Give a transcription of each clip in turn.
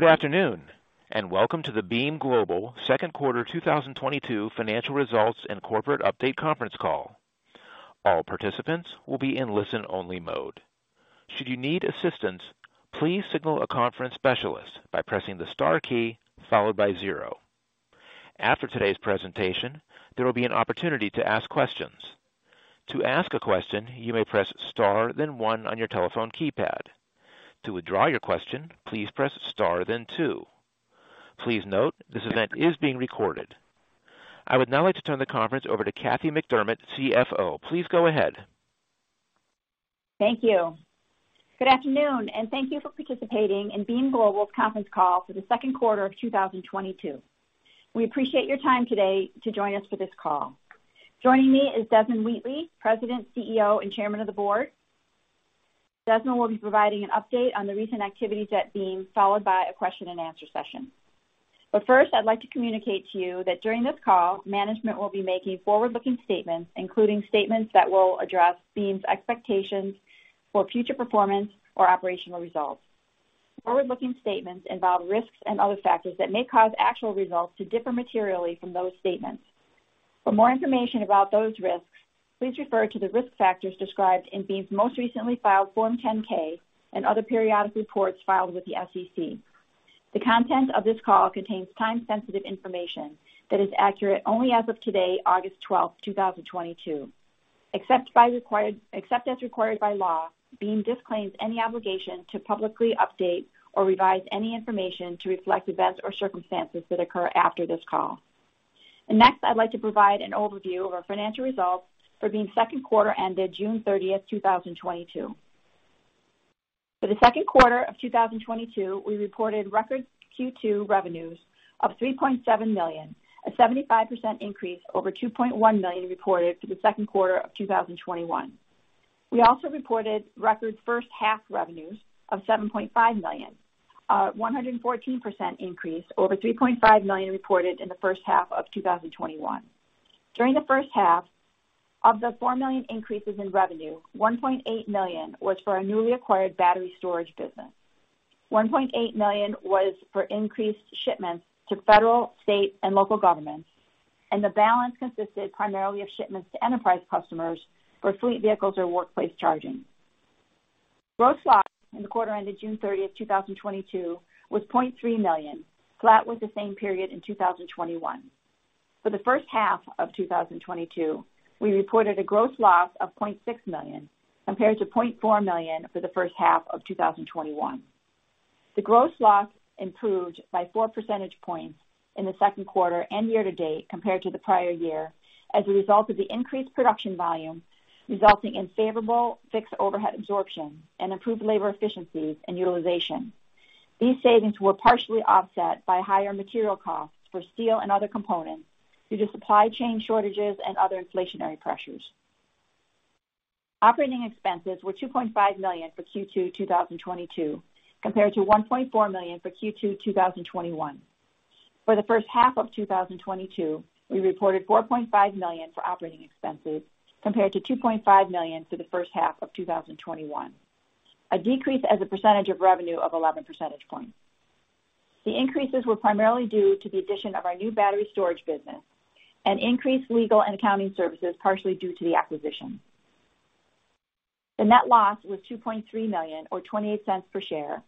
Good afternoon, and welcome to the Beam Global second quarter 2022 financial results and corporate update conference call. All participants will be in listen-only mode. Should you need assistance, please signal a conference specialist by pressing the star key followed by zero. After today's presentation, there will be an opportunity to ask questions. To ask a question, you may press star then one on your telephone keypad. To withdraw your question, please press star then two. Please note this event is being recorded. I would now like to turn the conference over to Katherine McDermott, CFO. Please go ahead. Thank you. Good afternoon, and thank you for participating in Beam Global's conference call for the second quarter of 2022. We appreciate your time today to join us for this call. Joining me is Desmond Wheatley, President, CEO, and Chairman of the Board. Desmond will be providing an update on the recent activities at Beam, followed by a question-and-answer session. First, I'd like to communicate to you that during this call, management will be making forward-looking statements, including statements that will address Beam's expectations for future performance or operational results. Forward-looking statements involve risks and other factors that may cause actual results to differ materially from those statements. For more information about those risks, please refer to the risk factors described in Beam's most recently filed Form 10-K and other periodic reports filed with the SEC. The content of this call contains time-sensitive information that is accurate only as of today, August 12th, 2022. Except as required by law, Beam disclaims any obligation to publicly update or revise any information to reflect events or circumstances that occur after this call. Next, I'd like to provide an overview of our financial results for Beam's second quarter ended June 30th, 2022. For the second quarter of 2022, we reported record Q2 revenues of $3.7 million, a 75% increase over $2.1 million reported for the second quarter of 2021. We also reported record first half revenues of $7.5 million, 114% increase over $3.5 million reported in the first half of 2021. During the first half of the $4 million increase in revenue, $1.8 million was for our newly acquired battery storage business. $1.8 million was for increased shipments to federal, state, and local governments, and the balance consisted primarily of shipments to enterprise customers for fleet vehicles or workplace charging. Gross loss in the quarter ended June 30th, 2022 was $0.3 million, flat with the same period in 2021. For the first half of 2022, we reported a gross loss of $0.6 million compared to $0.4 million for the first half of 2021. The gross loss improved by 4 percentage points in the second quarter and year-to-date compared to the prior year as a result of the increased production volume, resulting in favorable fixed overhead absorption and improved labor efficiencies and utilization. These savings were partially offset by higher material costs for steel and other components due to supply chain shortages and other inflationary pressures. Operating expenses were $2.5 million for Q2 2022, compared to $1.4 million for Q2 2021. For the first half of 2022, we reported $4.5 million for operating expenses, compared to $2.5 million for the first half of 2021, a decrease as a percentage of revenue of 11 percentage points. The increases were primarily due to the addition of our new battery storage business and increased legal and accounting services, partially due to the acquisition. The net loss was $2.3 million or $0.28 per share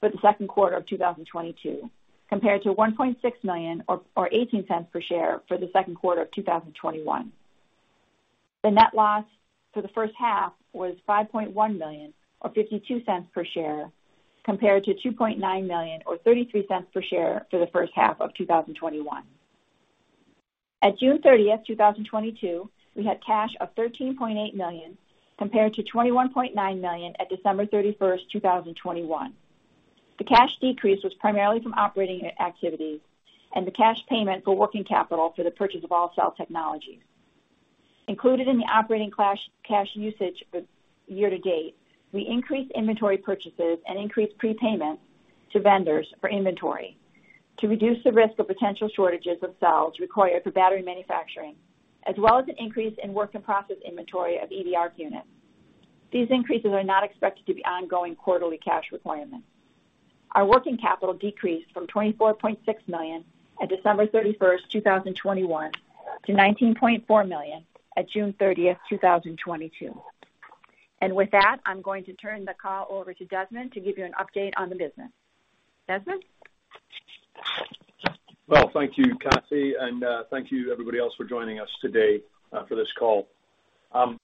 for the second quarter of 2022, compared to $1.6 million or $0.18 per share for the second quarter of 2021. The net loss for the first half was $5.1 million or $0.52 per share, compared to $2.9 million or $0.33 per share for the first half of 2021. At June 30th, 2022, we had cash of $13.8 million, compared to $21.9 million at December 31st, 2021. The cash decrease was primarily from operating activities and the cash payment for working capital for the purchase of AllCell Technologies. Included in the operating cash usage for year-to-date, we increased inventory purchases and increased prepayments to vendors for inventory to reduce the risk of potential shortages of cells required for battery manufacturing, as well as an increase in work in process inventory of EV ARC units. These increases are not expected to be ongoing quarterly cash requirements. Our working capital decreased from $24.6 million at December 31st, 2021, to $19.4 million at June 30th, 2022. With that, I'm going to turn the call over to Desmond to give you an update on the business. Desmond? Well, thank you, Kathy. Thank you everybody else for joining us today for this call. I'm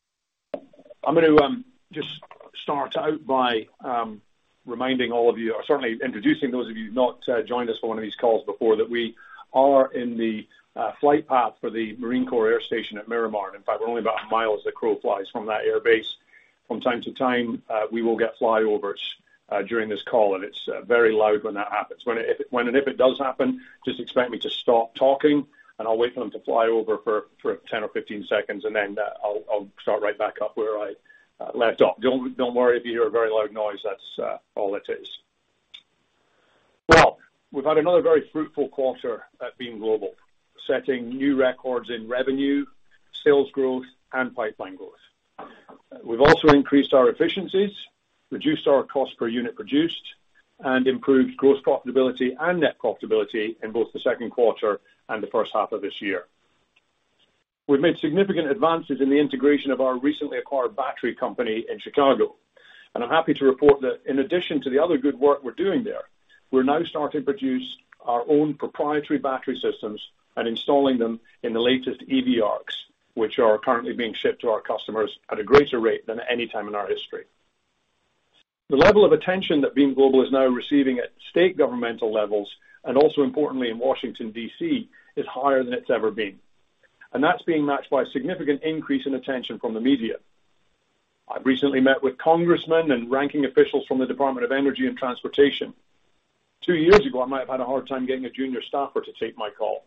gonna just start out by reminding all of you, or certainly introducing those of you who've not joined us for one of these calls before, that we are in the flight path for the Marine Corps Air Station at Miramar. In fact, we're only about a mile as the crow flies from that airbase. From time to time, we will get flyovers during this call, and it's very loud when that happens. When and if it does happen, just expect me to stop talking and I'll wait for them to fly over for 10 or 15 seconds, and then I'll start right back up where I left off. Don't worry if you hear a very loud noise. That's all it is. Well, we've had another very fruitful quarter at Beam Global, setting new records in revenue, sales growth, and pipeline growth. We've also increased our efficiencies, reduced our cost per unit produced, and improved gross profitability and net profitability in both the second quarter and the first half of this year. We've made significant advances in the integration of our recently acquired battery company in Chicago, and I'm happy to report that in addition to the other good work we're doing there, we're now starting to produce our own proprietary battery systems and installing them in the latest EV ARCs, which are currently being shipped to our customers at a greater rate than any time in our history. The level of attention that Beam Global is now receiving at state governmental levels, and also importantly in Washington, D.C., is higher than it's ever been. That's being matched by a significant increase in attention from the media. I've recently met with congressmen and ranking officials from the Department of Energy and Transportation. Two years ago, I might have had a hard time getting a junior staffer to take my call.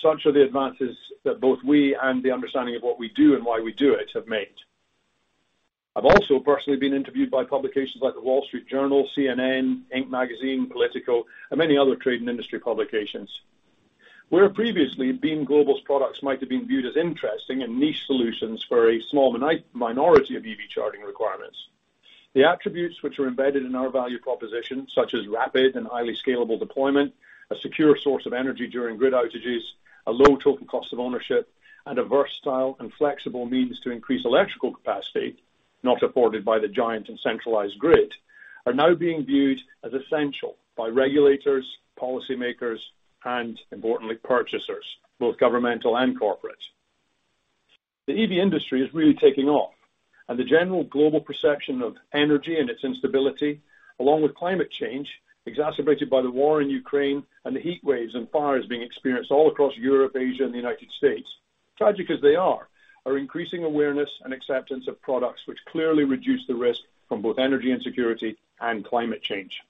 Such are the advances that both we and the understanding of what we do and why we do it have made. I've also personally been interviewed by publications like The Wall Street Journal, CNN, Inc. Magazine, Politico, and many other trade and industry publications. Where previously Beam Global's products might have been viewed as interesting and niche solutions for a small minority of EV charging requirements, the attributes which are embedded in our value proposition, such as rapid and highly scalable deployment, a secure source of energy during grid outages, a low total cost of ownership, and a versatile and flexible means to increase electrical capacity, not afforded by the giant and centralized grid, are now being viewed as essential by regulators, policymakers, and importantly, purchasers, both governmental and corporate. The EV industry is really taking off, and the general global perception of energy and its instability, along with climate change, exacerbated by the war in Ukraine and the heat waves and fires being experienced all across Europe, Asia, and the United States, tragic as they are increasing awareness and acceptance of products which clearly reduce the risk from both energy insecurity and climate change.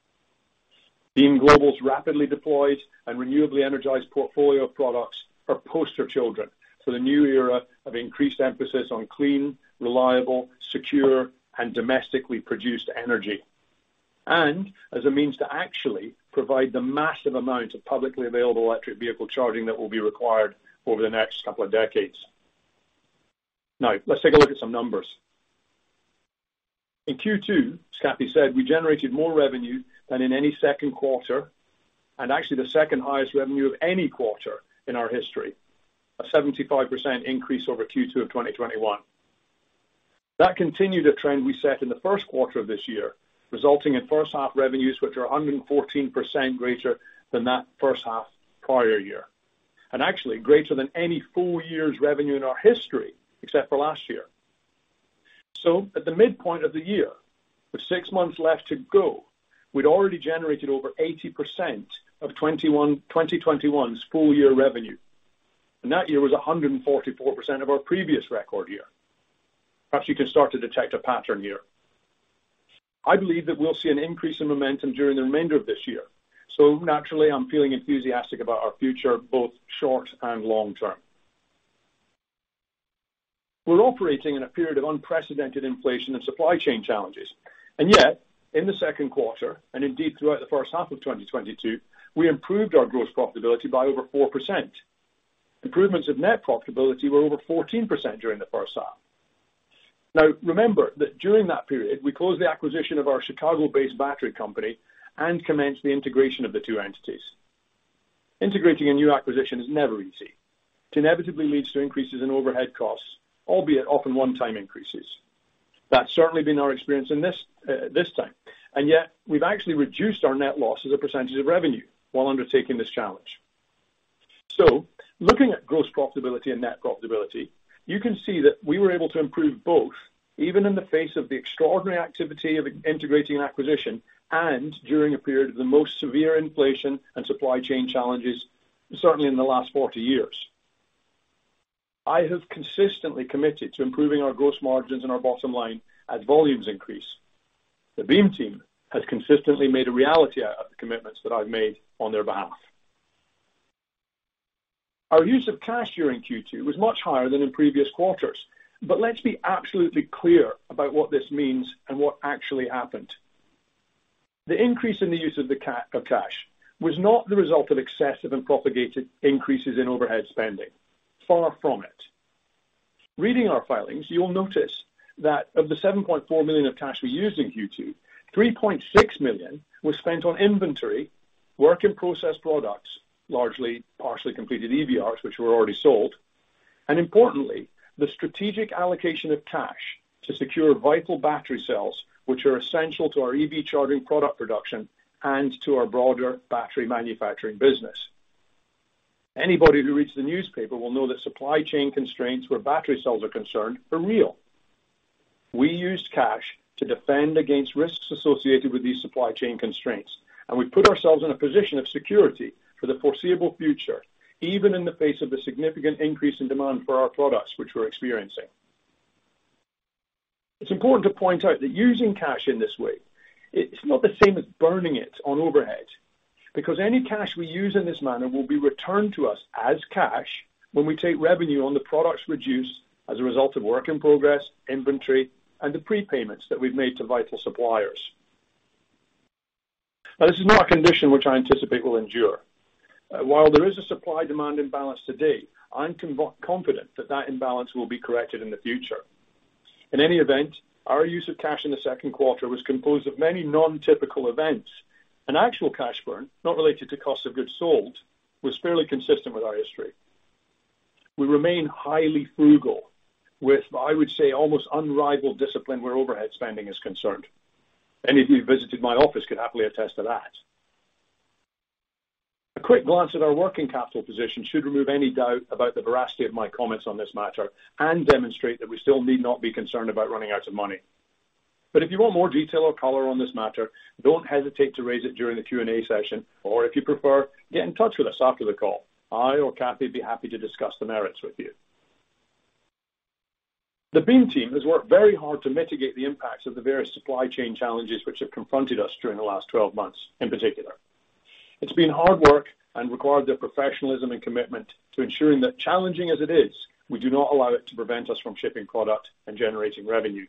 Beam Global's rapidly deployed and renewably energized portfolio of products are poster children for the new era of increased emphasis on clean, reliable, secure, and domestically produced energy, and as a means to actually provide the massive amounts of publicly available electric vehicle charging that will be required over the next couple of decades. Now, let's take a look at some numbers. In Q2, as Kathy said, we generated more revenue than in any second quarter, and actually the second highest revenue of any quarter in our history, a 75% increase over Q2 of 2021. That continued a trend we set in the first quarter of this year, resulting in first half revenues which are 114% greater than that first half prior year, and actually greater than any full year's revenue in our history, except for last year. At the midpoint of the year, with six months left to go, we'd already generated over 80% of 2021's full year revenue. That year was a 144% of our previous record year. Perhaps you can start to detect a pattern here. I believe that we'll see an increase in momentum during the remainder of this year. Naturally, I'm feeling enthusiastic about our future, both short and long term. We're operating in a period of unprecedented inflation and supply chain challenges. Yet, in the second quarter, and indeed throughout the first half of 2022, we improved our gross profitability by over 4%. Improvements of net profitability were over 14% during the first half. Now, remember that during that period, we closed the acquisition of our Chicago-based battery company and commenced the integration of the two entities. Integrating a new acquisition is never easy. It inevitably leads to increases in overhead costs, albeit often one-time increases. That's certainly been our experience in this time. Yet, we've actually reduced our net loss as a percentage of revenue while undertaking this challenge. Looking at gross profitability and net profitability, you can see that we were able to improve both, even in the face of the extraordinary activity of integrating an acquisition and during a period of the most severe inflation and supply chain challenges, certainly in the last 40 years. I have consistently committed to improving our gross margins and our bottom line as volumes increase. The Beam team has consistently made a reality out of the commitments that I've made on their behalf. Our use of cash during Q2 was much higher than in previous quarters, but let's be absolutely clear about what this means and what actually happened. The increase in the use of cash was not the result of excessive and propagated increases in overhead spending. Far from it. Reading our filings, you will notice that of the $7.4 million of cash we used in Q2, $3.6 million was spent on inventory, work in process products, largely partially completed EV ARCs, which were already sold, and importantly, the strategic allocation of cash to secure vital battery cells, which are essential to our EV charging product production and to our broader battery manufacturing business. Anybody who reads the newspaper will know that supply chain constraints where battery cells are concerned are real. We used cash to defend against risks associated with these supply chain constraints, and we put ourselves in a position of security for the foreseeable future, even in the face of the significant increase in demand for our products, which we're experiencing. It's important to point out that using cash in this way, it's not the same as burning it on overhead because any cash we use in this manner will be returned to us as cash when we take revenue on the products produced as a result of work in progress, inventory, and the prepayments that we've made to vital suppliers. Now, this is not a condition which I anticipate will endure. While there is a supply-demand imbalance today, I'm confident that that imbalance will be corrected in the future. In any event, our use of cash in the second quarter was composed of many non-typical events. An actual cash burn, not related to cost of goods sold, was fairly consistent with our history. We remain highly frugal with, I would say, almost unrivaled discipline where overhead spending is concerned. Any of you who visited my office could happily attest to that. A quick glance at our working capital position should remove any doubt about the veracity of my comments on this matter and demonstrate that we still need not be concerned about running out of money. If you want more detail or color on this matter, don't hesitate to raise it during the Q&A session, or if you prefer, get in touch with us after the call. I or Kathy would be happy to discuss the merits with you. The Beam team has worked very hard to mitigate the impacts of the various supply chain challenges which have confronted us during the last 12 months in particular. It's been hard work and required their professionalism and commitment to ensuring that challenging as it is, we do not allow it to prevent us from shipping product and generating revenue.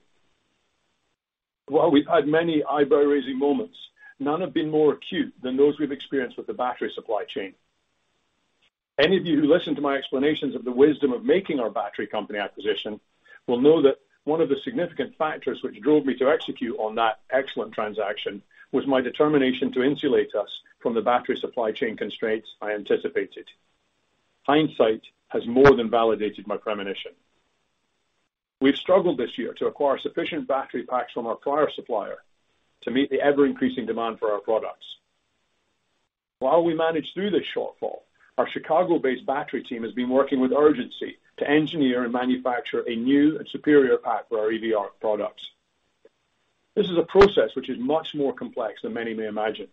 While we've had many eyebrow-raising moments, none have been more acute than those we've experienced with the battery supply chain. Any of you who listened to my explanations of the wisdom of making our battery company acquisition will know that one of the significant factors which drove me to execute on that excellent transaction was my determination to insulate us from the battery supply chain constraints I anticipated. Hindsight has more than validated my premonition. We've struggled this year to acquire sufficient battery packs from our prior supplier to meet the ever-increasing demand for our products. While we manage through this shortfall, our Chicago-based battery team has been working with urgency to engineer and manufacture a new and superior pack for our EV ARC products. This is a process which is much more complex than many may imagine.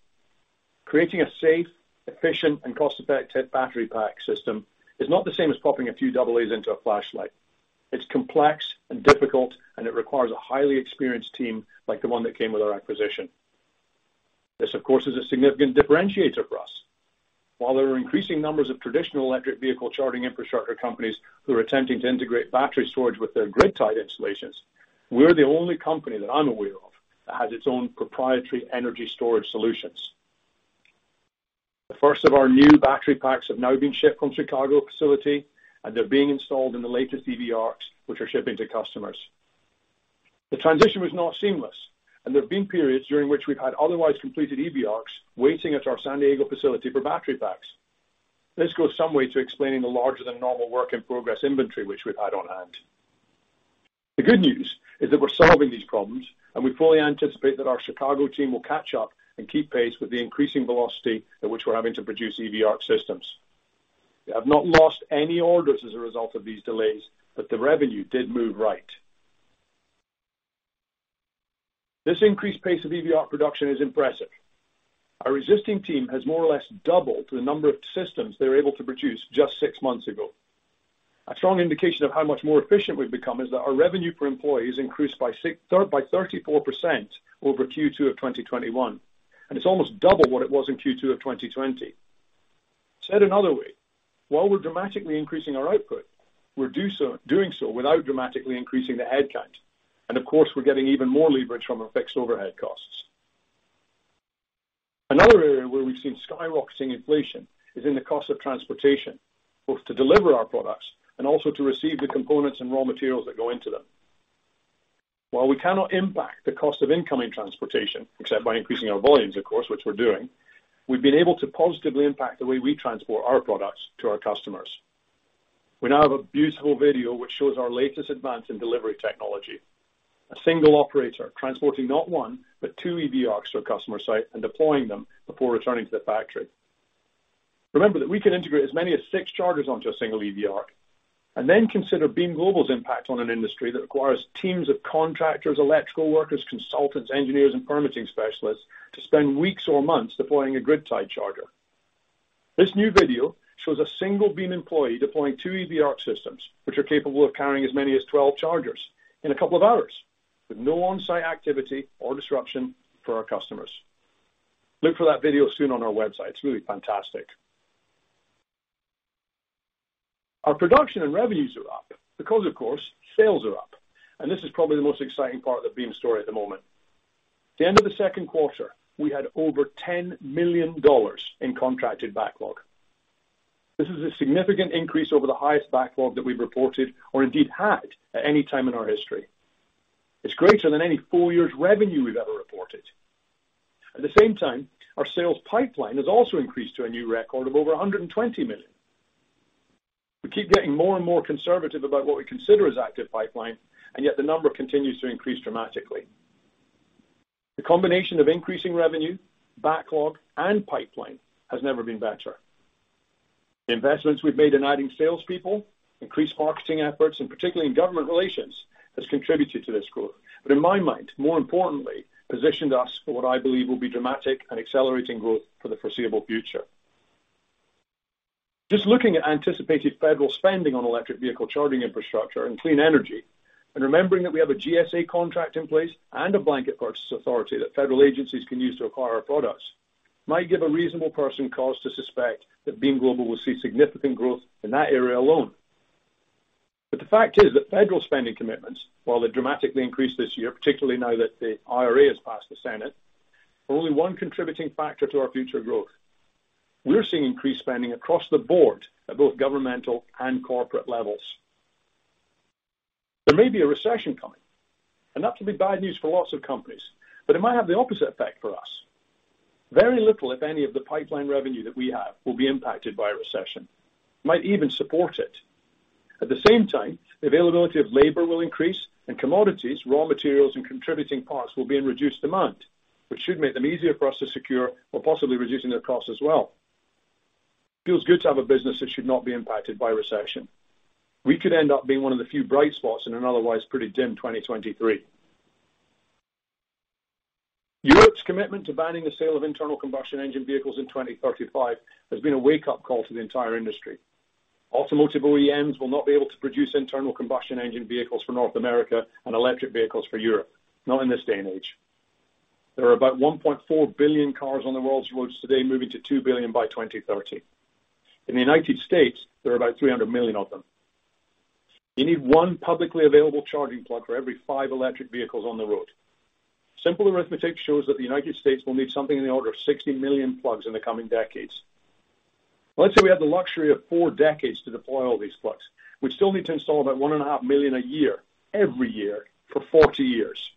Creating a safe, efficient, and cost-effective battery pack system is not the same as popping a few double As into a flashlight. It's complex and difficult, and it requires a highly experienced team like the one that came with our acquisition. This, of course, is a significant differentiator for us. While there are increasing numbers of traditional electric vehicle charging infrastructure companies who are attempting to integrate battery storage with their grid-tied installations, we're the only company that I'm aware of that has its own proprietary energy storage solutions. The first of our new battery packs have now been shipped from Chicago facility, and they're being installed in the latest EV ARCs, which are shipping to customers. The transition was not seamless, and there have been periods during which we've had otherwise completed EV ARCs waiting at our San Diego facility for battery packs. This goes some way to explaining the larger than normal work in progress inventory which we've had on hand. The good news is that we're solving these problems, and we fully anticipate that our Chicago team will catch up and keep pace with the increasing velocity at which we're having to produce EV ARC systems. We have not lost any orders as a result of these delays, but the revenue did move right. This increased pace of EV ARC production is impressive. Our existing team has more or less doubled the number of systems they were able to produce just six months ago. A strong indication of how much more efficient we've become is that our revenue per employee has increased by 34% over Q2 of 2021, and it's almost double what it was in Q2 of 2020. Said another way, while we're dramatically increasing our output, we're doing so without dramatically increasing the headcount. Of course, we're getting even more leverage from our fixed overhead costs. Another area where we've seen skyrocketing inflation is in the cost of transportation, both to deliver our products and also to receive the components and raw materials that go into them. While we cannot impact the cost of incoming transportation, except by increasing our volumes, of course, which we're doing, we've been able to positively impact the way we transport our products to our customers. We now have a beautiful video which shows our latest advance in delivery technology. A single operator transporting not one, but two EV ARCs to a customer site and deploying them before returning to the factory. Remember that we can integrate as many as six chargers onto a single EV ARC, and then consider Beam Global's impact on an industry that requires teams of contractors, electrical workers, consultants, engineers, and permitting specialists to spend weeks or months deploying a grid-tied charger. This new video shows a single Beam employee deploying two EV ARC systems, which are capable of carrying as many as 12 chargers in a couple of hours with no on-site activity or disruption for our customers. Look for that video soon on our website. It's really fantastic. Our production and revenues are up because, of course, sales are up, and this is probably the most exciting part of the Beam story at the moment. At the end of the second quarter, we had over $10 million in contracted backlog. This is a significant increase over the highest backlog that we've reported or indeed had at any time in our history. It's greater than any full year's revenue we've ever reported. At the same time, our sales pipeline has also increased to a new record of over $120 million. We keep getting more and more conservative about what we consider as active pipeline, and yet the number continues to increase dramatically. The combination of increasing revenue, backlog, and pipeline has never been better. The investments we've made in adding salespeople, increased marketing efforts, and particularly in government relations, has contributed to this growth. In my mind, more importantly, positioned us for what I believe will be dramatic and accelerating growth for the foreseeable future. Just looking at anticipated federal spending on electric vehicle charging infrastructure and clean energy, and remembering that we have a GSA contract in place and a blanket purchase authority that federal agencies can use to acquire our products, might give a reasonable person cause to suspect that Beam Global will see significant growth in that area alone. The fact is that federal spending commitments, while they dramatically increased this year, particularly now that the IRA has passed the Senate, are only one contributing factor to our future growth. We're seeing increased spending across the board at both governmental and corporate levels. There may be a recession coming, and that will be bad news for lots of companies, but it might have the opposite effect for us. Very little, if any, of the pipeline revenue that we have will be impacted by a recession, might even support it. At the same time, availability of labor will increase and commodities, raw materials, and contributing parts will be in reduced demand, which should make them easier for us to secure while possibly reducing their costs as well. Feels good to have a business that should not be impacted by a recession. We could end up being one of the few bright spots in an otherwise pretty dim 2023. Europe's commitment to banning the sale of internal combustion engine vehicles in 2035 has been a wake-up call to the entire industry. Automotive OEMs will not be able to produce internal combustion engine vehicles for North America and electric vehicles for Europe. Not in this day and age. There are about 1.4 billion cars on the world's roads today, moving to 2 billion by 2030. In the United States, there are about 300 million of them. You need one publicly available charging plug for every five electric vehicles on the road. Simple arithmetic shows that the United States will need something in the order of 60 million plugs in the coming decades. Let's say we have the luxury of four decades to deploy all these plugs. We still need to install about 1.5 million a year every year for 40 years.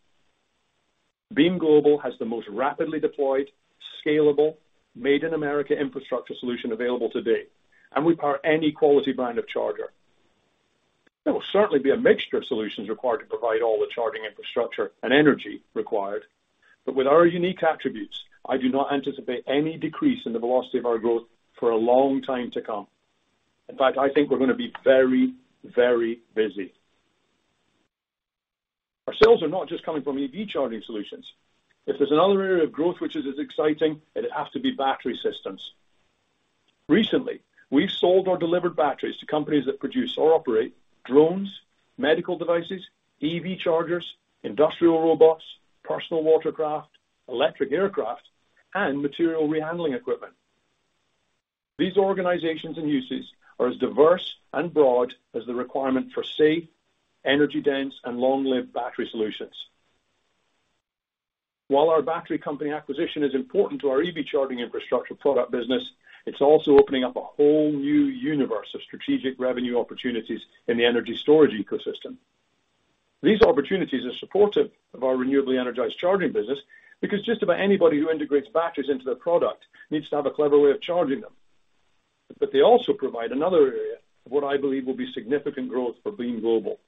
Beam Global has the most rapidly deployed, scalable, made in America infrastructure solution available today, and we power any quality brand of charger. There will certainly be a mixture of solutions required to provide all the charging infrastructure and energy required. With our unique attributes, I do not anticipate any decrease in the velocity of our growth for a long time to come. In fact, I think we're gonna be very, very busy. Our sales are not just coming from EV charging solutions. If there's another area of growth which is as exciting, it'd have to be battery systems. Recently, we've sold or delivered batteries to companies that produce or operate drones, medical devices, EV chargers, industrial robots, personal watercraft, electric aircraft, and material handling equipment. These organizations and uses are as diverse and broad as the requirement for safe, energy-dense, and long-lived battery solutions. While our battery company acquisition is important to our EV charging infrastructure product business, it's also opening up a whole new universe of strategic revenue opportunities in the energy storage ecosystem. These opportunities are supportive of our renewably energized charging business because just about anybody who integrates batteries into their product needs to have a clever way of charging them. They also provide another area of what I believe will be significant growth for Beam Global.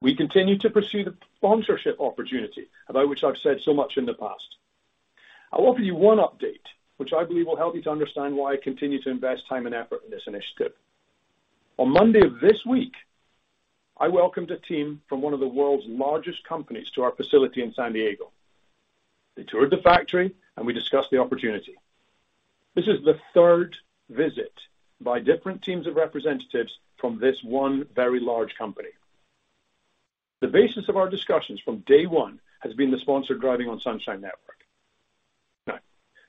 We continue to pursue the sponsorship opportunity, about which I've said so much in the past. I offer you one update, which I believe will help you to understand why I continue to invest time and effort in this initiative. On Monday of this week, I welcomed a team from one of the world's largest companies to our facility in San Diego. They toured the factory, and we discussed the opportunity. This is the third visit by different teams of representatives from this one very large company. The basis of our discussions from day one has been the sponsored Driving on Sunshine Network.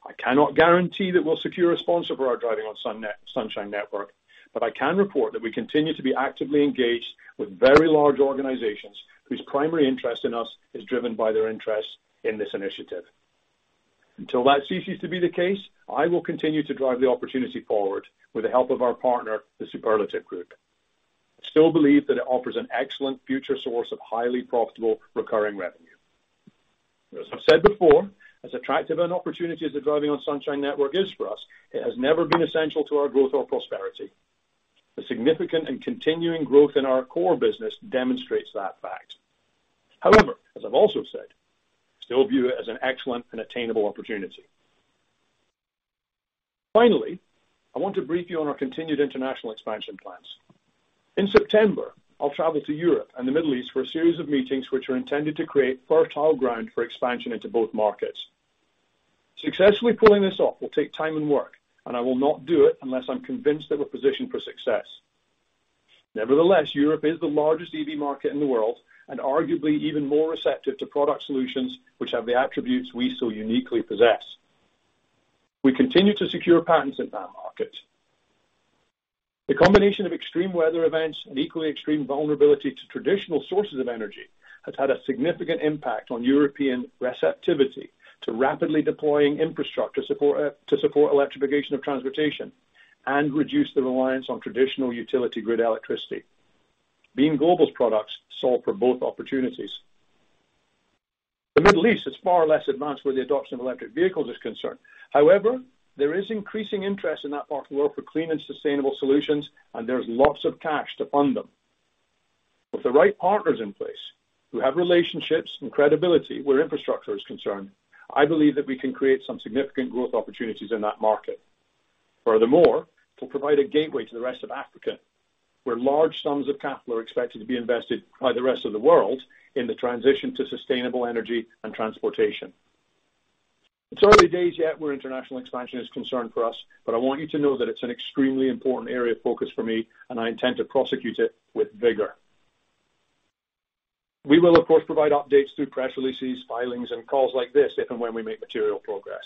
Now, I cannot guarantee that we'll secure a sponsor for our Driving on Sunshine Network, but I can report that we continue to be actively engaged with very large organizations whose primary interest in us is driven by their interest in this initiative. Until that ceases to be the case, I will continue to drive the opportunity forward with the help of our partner, the Superlative Group. I still believe that it offers an excellent future source of highly profitable recurring revenue. As I've said before, as attractive an opportunity as the Driving on Sunshine Network is for us, it has never been essential to our growth or prosperity. The significant and continuing growth in our core business demonstrates that fact. However, as I've also said, I still view it as an excellent and attainable opportunity. Finally, I want to brief you on our continued international expansion plans. In September, I'll travel to Europe and the Middle East for a series of meetings which are intended to create fertile ground for expansion into both markets. Successfully pulling this off will take time and work, and I will not do it unless I'm convinced of a position for success. Nevertheless, Europe is the largest EV market in the world and arguably even more receptive to product solutions which have the attributes we so uniquely possess. We continue to secure patents in that market. The combination of extreme weather events and equally extreme vulnerability to traditional sources of energy has had a significant impact on European receptivity to rapidly deploying infrastructure support to support electrification of transportation and reduce the reliance on traditional utility grid electricity. Beam Global's products solve for both opportunities. The Middle East is far less advanced where the adoption of electric vehicles is concerned. However, there is increasing interest in that part of the world for clean and sustainable solutions, and there's lots of cash to fund them. With the right partners in place who have relationships and credibility where infrastructure is concerned, I believe that we can create some significant growth opportunities in that market. Furthermore, it will provide a gateway to the rest of Africa, where large sums of capital are expected to be invested by the rest of the world in the transition to sustainable energy and transportation. It's early days yet where international expansion is concerned for us, but I want you to know that it's an extremely important area of focus for me, and I intend to prosecute it with vigor. We will, of course, provide updates through press releases, filings, and calls like this if and when we make material progress.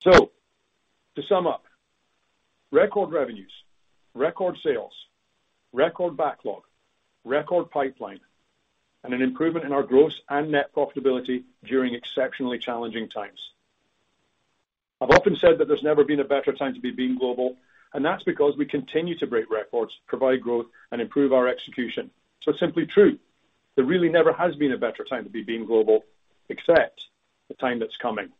To sum up, record revenues, record sales, record backlog, record pipeline, and an improvement in our gross and net profitability during exceptionally challenging times. I've often said that there's never been a better time to be Beam Global, and that's because we continue to break records, provide growth, and improve our execution. It's simply true, there really never has been a better time to be Beam Global, except the time that's coming.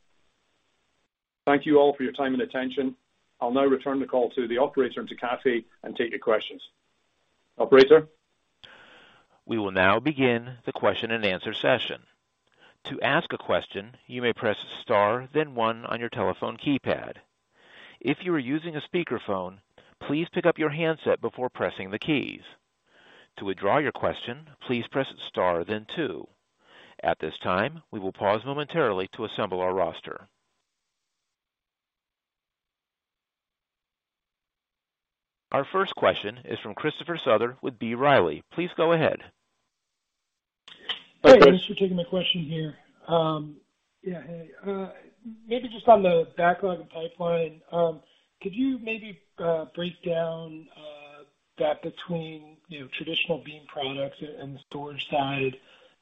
Thank you all for your time and attention. I'll now return the call to the operator and to Kathy and take your questions. Operator? We will now begin the question-and-answer session. To ask a question, you may press star then one on your telephone keypad. If you are using a speakerphone, please pick up your handset before pressing the keys. To withdraw your question, please press star then two. At this time, we will pause momentarily to assemble our roster. Our first question is from Christopher Souther with B. Riley. Please go ahead. Thanks for taking my question here. Maybe just on the backlog and pipeline, could you maybe break down that between, you know, traditional Beam products and the storage side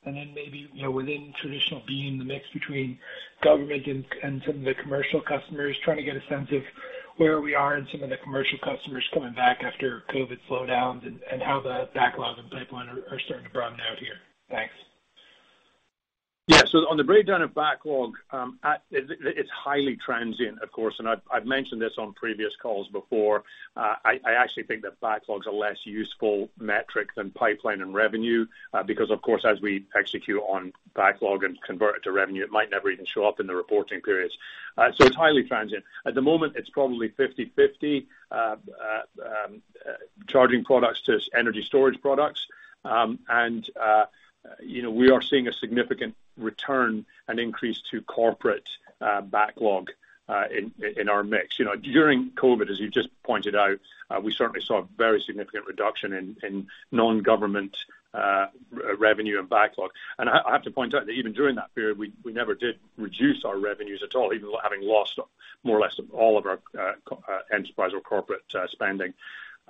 and then maybe, you know, within traditional Beam, the mix between government and some of the commercial customers? Trying to get a sense of where we are in some of the commercial customers coming back after COVID slowdowns and how the backlog and pipeline are starting to broaden out here. Thanks. Yeah. On the breakdown of backlog, it's highly transient, of course, and I've mentioned this on previous calls before. I actually think that backlogs are less useful metric than pipeline and revenue, because of course, as we execute on backlog and convert it to revenue, it might never even show up in the reporting periods. It's highly transient. At the moment, it's probably 50/50, charging products to energy storage products. You know, we are seeing a significant return and increase to corporate backlog in our mix. You know, during COVID, as you just pointed out, we certainly saw a very significant reduction in non-government revenue and backlog. I have to point out that even during that period, we never did reduce our revenues at all, even having lost more or less all of our enterprise or corporate spending.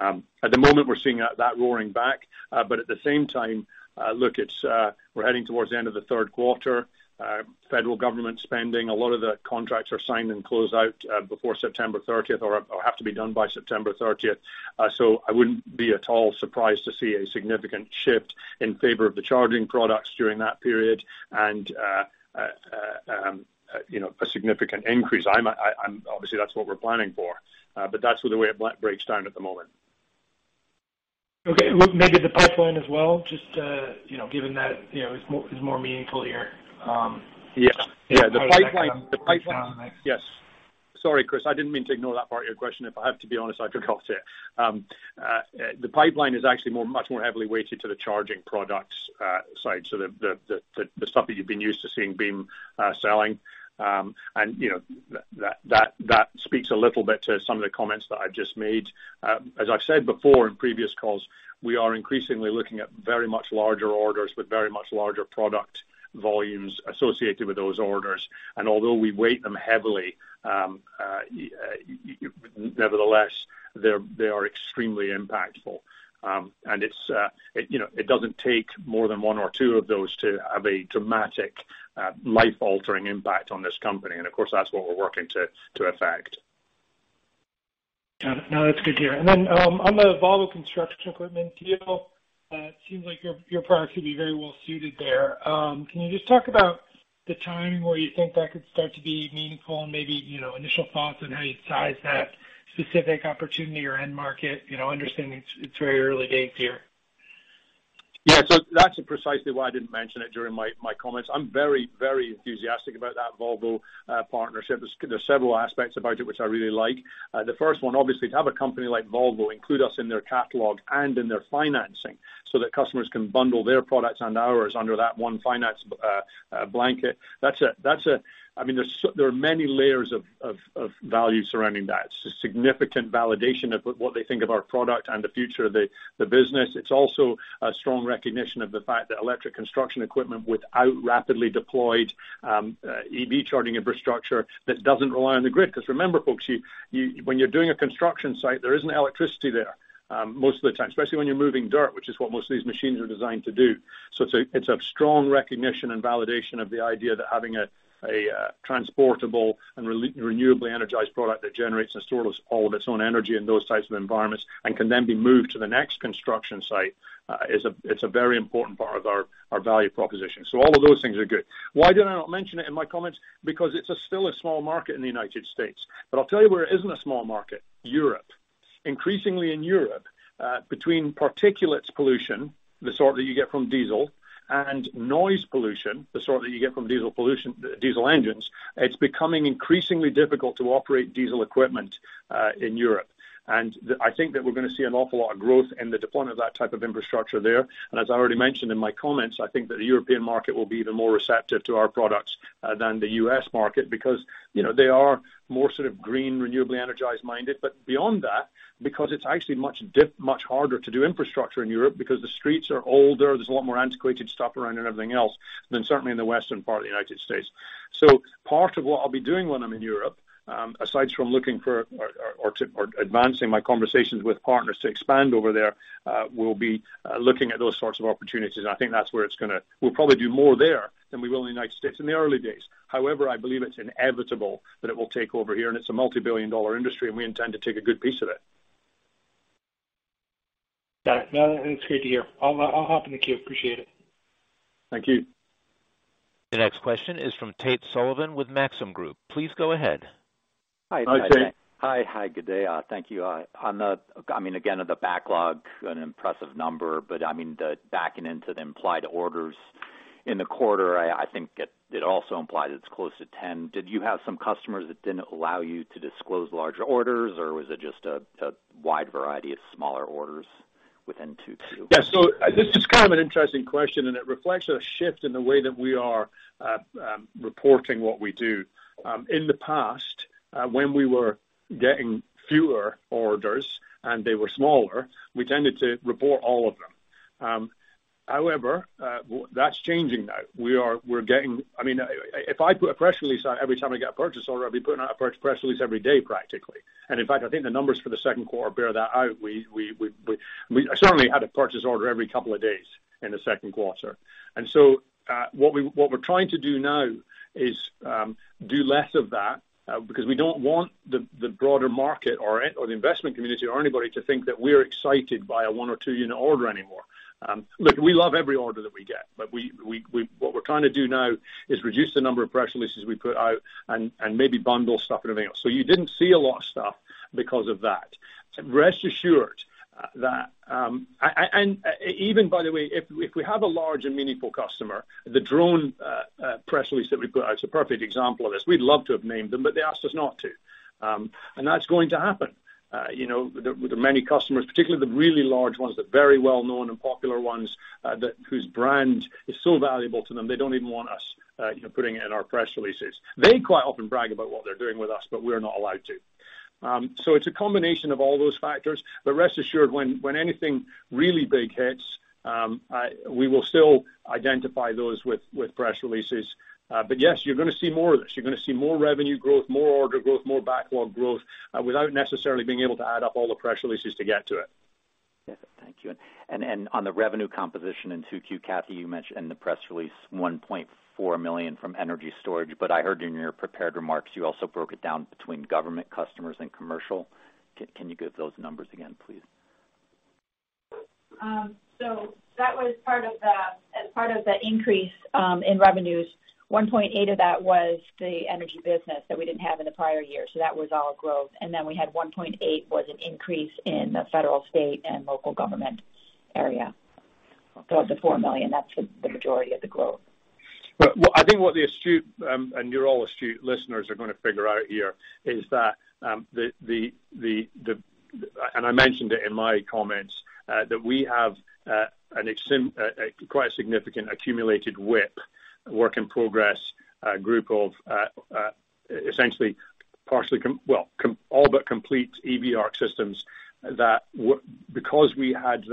At the moment we're seeing that roaring back. At the same time, we're heading towards the end of the third quarter. Federal government spending, a lot of the contracts are signed and closed out before September 30th or have to be done by September 30th. I wouldn't be at all surprised to see a significant shift in favor of the charging products during that period and you know, a significant increase. Obviously that's what we're planning for. That's the way it breaks down at the moment. Okay. Look, maybe the pipeline as well, just to, you know, given that, you know, it's more meaningful here. Yeah. Yeah. The pipeline. Yes. Sorry, Chris, I didn't mean to ignore that part of your question. If I have to be honest, I took off there. The pipeline is actually much more heavily weighted to the charging products side. So the stuff that you've been used to seeing Beam selling. You know, that speaks a little bit to some of the comments that I've just made. As I've said before in previous calls, we are increasingly looking at very much larger orders with very much larger product volumes associated with those orders. Although we weight them heavily, nevertheless, they're extremely impactful. It's, you know, it doesn't take more than one or two of those to have a dramatic, life-altering impact on this company. Of course, that's what we're working to affect. Got it. No, that's good to hear. Then, on the Volvo Construction Equipment deal, it seems like your products could be very well suited there. Can you just talk about the timing where you think that could start to be meaningful and maybe, you know, initial thoughts on how you size that specific opportunity or end market? You know, understanding it's very early days here. Yeah. That's precisely why I didn't mention it during my comments. I'm very, very enthusiastic about that Volvo partnership. There's several aspects about it which I really like. The first one, obviously to have a company like Volvo include us in their catalog and in their financing so that customers can bundle their products and ours under that one finance blanket. I mean, there are many layers of value surrounding that. It's a significant validation of what they think of our product and the future of the business. It's also a strong recognition of the fact that electric construction equipment without rapidly deployed EV charging infrastructure that doesn't rely on the grid. 'Cause remember, folks, when you're doing a construction site, there isn't electricity there most of the time. Especially when you're moving dirt, which is what most of these machines are designed to do. It's a strong recognition and validation of the idea that having a transportable and renewably energized product that generates and stores all of its own energy in those types of environments and can then be moved to the next construction site is a very important part of our value proposition. All of those things are good. Why did I not mention it in my comments? It's still a small market in the United States, but I'll tell you where it isn't a small market, Europe. Increasingly in Europe, between particulates pollution, the sort that you get from diesel, and noise pollution, the sort that you get from diesel pollution, diesel engines, it's becoming increasingly difficult to operate diesel equipment in Europe. I think that we're gonna see an awful lot of growth in the deployment of that type of infrastructure there. As I already mentioned in my comments, I think that the European market will be even more receptive to our products than the US market because, you know, they are more sort of green, renewably energized-minded. Beyond that, because it's actually much harder to do infrastructure in Europe because the streets are older, there's a lot more antiquated stuff around and everything else than certainly in the western part of the United States. Part of what I'll be doing when I'm in Europe, aside from looking for or advancing my conversations with partners to expand over there, will be looking at those sorts of opportunities. I think that's where we'll probably do more there than we will in the United States in the early days. However, I believe it's inevitable that it will take over here, and it's a multi-billion-dollar industry, and we intend to take a good piece of it. Got it. No, that's great to hear. I'll hop in the queue. Appreciate it. Thank you. The next question is from Tate Sullivan with Maxim Group. Please go ahead. Hi, Tate. Hi. Hi, good day. Thank you. I mean, again, on the backlog, an impressive number, but I mean, the backing into the implied orders in the quarter, I think it also implies it's close to 10. Did you have some customers that didn't allow you to disclose larger orders, or was it just a wide variety of smaller orders within 2Q? Yeah. This is kind of an interesting question, and it reflects a shift in the way that we are reporting what we do. In the past, when we were getting fewer orders and they were smaller, we tended to report all of them. However, that's changing now. We're getting. I mean, if I put a press release out every time I get a purchase order, I'd be putting out a press release every day, practically. In fact, I think the numbers for the second quarter bear that out. We certainly had a purchase order every couple of days in the second quarter. What we're trying to do now is do less of that because we don't want the broader market or the investment community or anybody to think that we're excited by a one or two unit order anymore. Look, we love every order that we get, but what we're trying to do now is reduce the number of press releases we put out and maybe bundle stuff and everything else. You didn't see a lot of stuff because of that. Rest assured. And even by the way, if we have a large and meaningful customer, the drone press release that we put out is a perfect example of this. We'd love to have named them, but they asked us not to. And that's going to happen. You know, the many customers, particularly the really large ones, the very well-known and popular ones, that whose brand is so valuable to them, they don't even want us, you know, putting it in our press releases. They quite often brag about what they're doing with us, but we're not allowed to. It's a combination of all those factors. Rest assured, when anything really big hits, we will still identify those with press releases. Yes, you're gonna see more of this. You're gonna see more revenue growth, more order growth, more backlog growth, without necessarily being able to add up all the press releases to get to it. Yes, thank you. On the revenue composition in 2Q, Kathy, you mentioned in the press release $1.4 million from energy storage. I heard in your prepared remarks you also broke it down between government customers and commercial. Can you give those numbers again, please? That was part of the increase in revenues. $1.8 million of that was the energy business that we didn't have in the prior year, so that was all growth. We had $1.8 million was an increase in the federal, state, and local government area. Of the $4 million, that's the majority of the growth. What I think the astute, and you're all astute listeners are gonna figure out here is that, the. I mentioned it in my comments, that we have a quite significant accumulated WIP, work in progress, group of, essentially partially complete, well, all but complete EV ARC systems that, because we had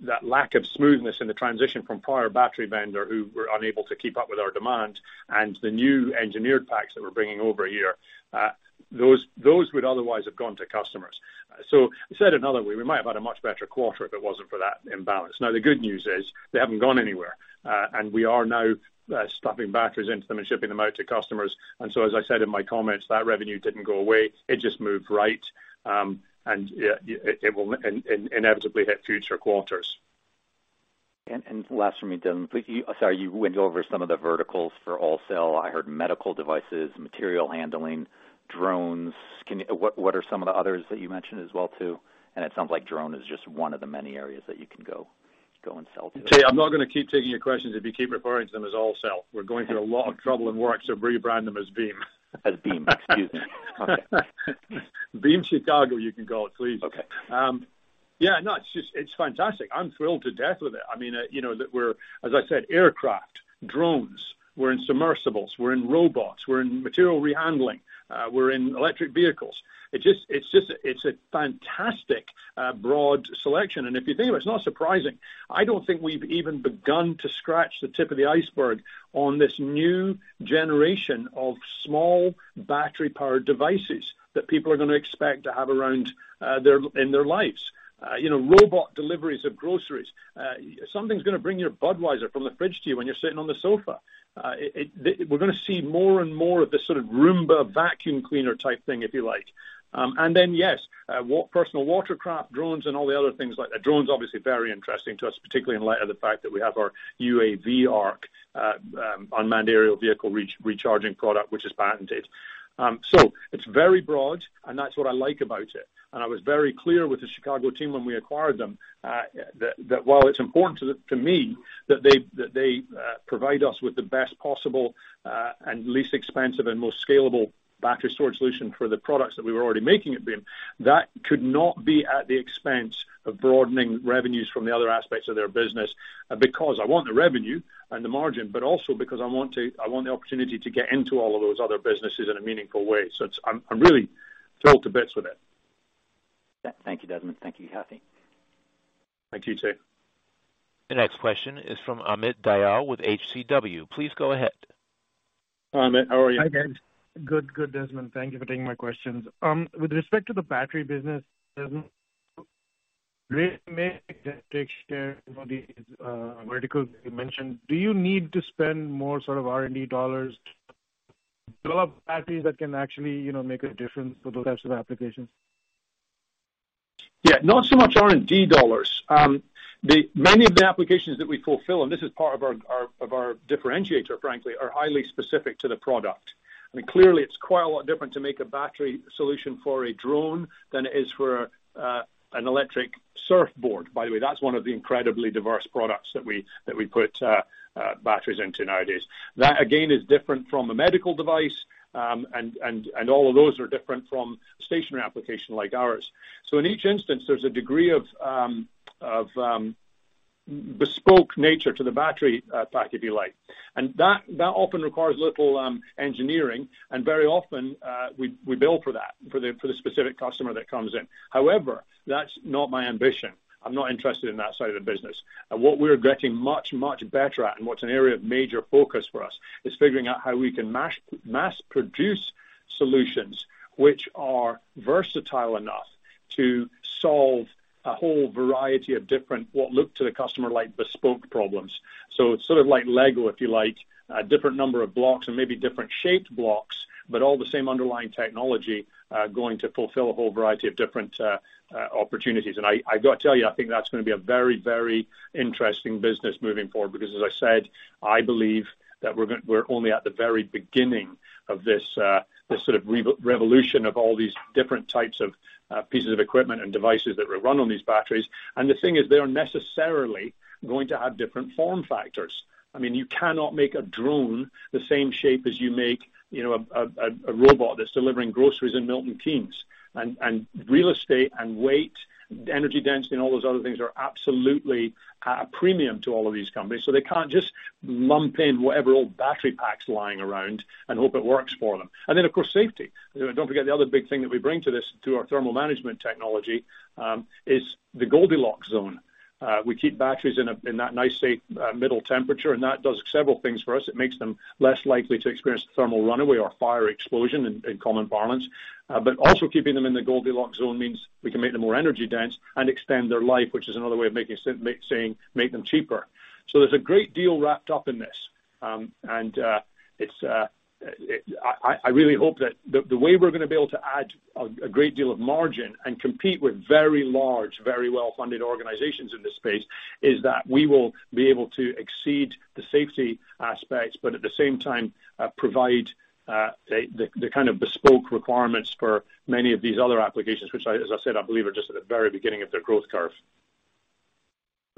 that lack of smoothness in the transition from prior battery vendor who were unable to keep up with our demand and the new engineered packs that we're bringing over here, those would otherwise have gone to customers. Said another way, we might have had a much better quarter if it wasn't for that imbalance. Now, the good news is they haven't gone anywhere, and we are now stuffing batteries into them and shipping them out to customers. As I said in my comments, that revenue didn't go away. It just moved right, and it will inevitably hit future quarters. Last from me, Desmond Wheatley. Sorry, you went over some of the verticals for AllCell. I heard medical devices, material handling, drones. What are some of the others that you mentioned as well too? It sounds like drone is just one of the many areas that you can go and sell to. Tate, I'm not gonna keep taking your questions if you keep referring to them as AllCell. We're going through a lot of trouble and work to rebrand them as Beam. Excuse me. Okay. Beam Chicago, you can call it, please. Okay. Yeah, no, it's fantastic. I'm thrilled to death with it. I mean, you know, that we're, as I said, aircraft, drones, we're in submersibles, we're in robots, we're in material handling, we're in electric vehicles. It's a fantastic broad selection. If you think of it's not surprising. I don't think we've even begun to scratch the tip of the iceberg on this new generation of small battery-powered devices that people are gonna expect to have around in their lives. You know, robot deliveries of groceries. Something's gonna bring your Budweiser from the fridge to you when you're sitting on the sofa. We're gonna see more and more of this sort of Roomba vacuum cleaner type thing, if you like. Yes, personal watercraft, drones, and all the other things like that. Drones obviously very interesting to us, particularly in light of the fact that we have our UAV ARC, unmanned aerial vehicle recharging product, which is patented. It's very broad, and that's what I like about it. I was very clear with the Chicago team when we acquired them, that while it's important to me that they provide us with the best possible, and least expensive and most scalable battery storage solution for the products that we were already making at Beam, that could not be at the expense of broadening revenues from the other aspects of their business. Because I want the revenue and the margin, but also because I want the opportunity to get into all of those other businesses in a meaningful way. I'm really thrilled to bits with it. Thank you, Desmond. Thank you, Kathy. Thank you, sir. The next question is from Amit Dayal with HCW. Please go ahead. Hi, Amit. How are you? Hi, guys. Good, Desmond. Thank you for taking my questions. With respect to the battery business, Desmond, great [inaudible] Yeah, not so much are indeed dollars. They manage the application that we fulfil and this is part of our differentiation frankly or highly specific to the product. And clearly its quiet a difference to make a battery solution for a drone than is for an electric surf board. That is one of the incredible device product that we put batteries []. It's different from medical device and all of those are different from station application like ours ]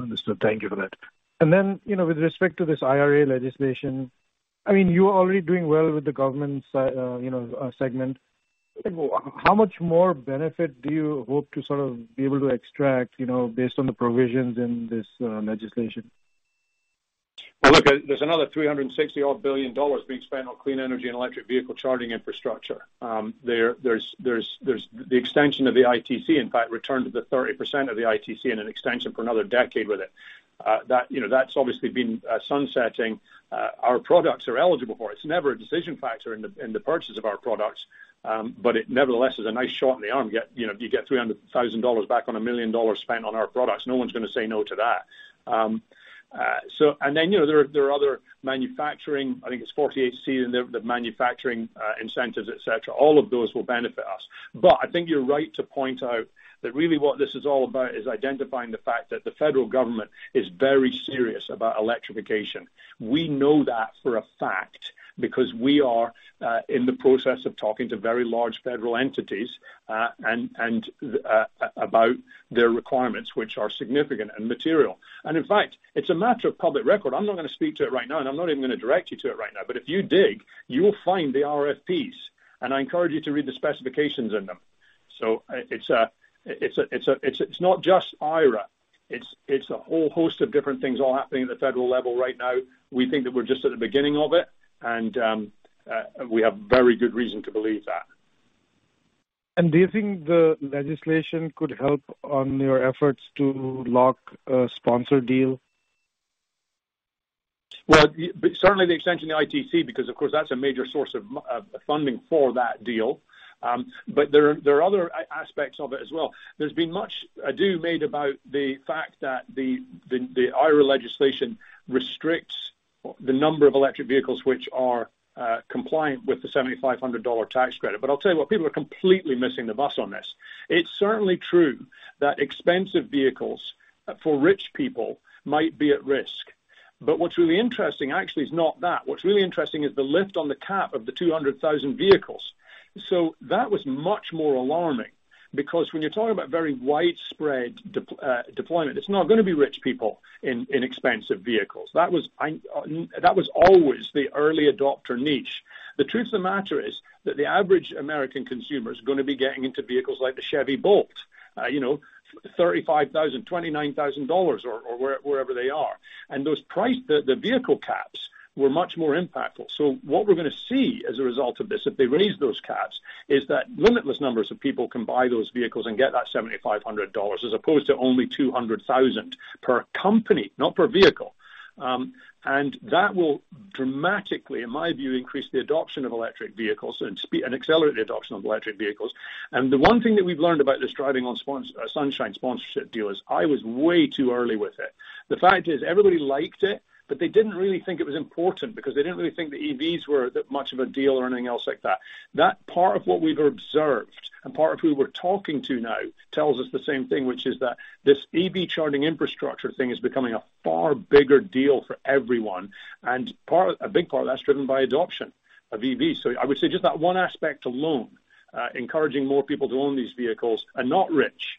Understood. Thank you for that. You know, with respect to this IRA legislation, I mean, you're already doing well with the government, you know, segment. How much more benefit do you hope to sort of be able to extract, you know, based on the provisions in this legislation? Look, there's another $360-odd billion being spent on clean energy and electric vehicle charging infrastructure. There's the extension of the ITC, in fact, return to the 30% of the ITC and an extension for another decade with it. You know, that's obviously been sunsetting. Our products are eligible for it. It's never a decision factor in the purchase of our products, but it nevertheless is a nice shot in the arm. You know, you get $300,000 back on $1 million spent on our products. No one's gonna say no to that. You know, there are other manufacturing, I think it's 48C in the manufacturing incentives, et cetera. All of those will benefit us. I think you're right to point out that really what this is all about is identifying the fact that the federal government is very serious about electrification. We know that for a fact because we are in the process of talking to very large federal entities and about their requirements, which are significant and material. In fact, it's a matter of public record. I'm not gonna speak to it right now, and I'm not even gonna direct you to it right now. If you dig, you will find the RFPs, and I encourage you to read the specifications in them. It's not just IRA. It's a whole host of different things all happening at the federal level right now. We think that we're just at the beginning of it, and we have very good reason to believe that. Do you think the legislation could help on your efforts to lock a sponsor deal? Certainly the extension of the ITC because, of course, that's a major source of funding for that deal. There are other aspects of it as well. There's been much ado made about the fact that the IRA legislation restricts the number of electric vehicles which are compliant with the $7,500 tax credit. I'll tell you what, people are completely missing the bus on this. It's certainly true that expensive vehicles for rich people might be at risk. What's really interesting actually is not that. What's really interesting is the lift on the cap of the 200,000 vehicles. That was much more alarming because when you're talking about very widespread deployment, it's not gonna be rich people in expensive vehicles. That was always the early adopter niche. The truth of the matter is that the average American consumer's gonna be getting into vehicles like the Chevy Bolt, you know, $35,000, $29,000 or wherever they are. Those prices, the vehicle caps were much more impactful. What we're gonna see as a result of this, if they raise those caps, is that limitless numbers of people can buy those vehicles and get that $7,500 as opposed to only $200,000 per company, not per vehicle. That will dramatically, in my view, increase the adoption of electric vehicles and accelerate the adoption of electric vehicles. The one thing that we've learned about this Driving on Sunshine sponsorship deal is I was way too early with it. The fact is everybody liked it, but they didn't really think it was important because they didn't really think the EVs were that much of a deal or anything else like that. That part of what we've observed and part of who we're talking to now tells us the same thing, which is that this EV charging infrastructure thing is becoming a far bigger deal for everyone. Part, a big part of that's driven by adoption of EVs. I would say just that one aspect alone, encouraging more people to own these vehicles and not rich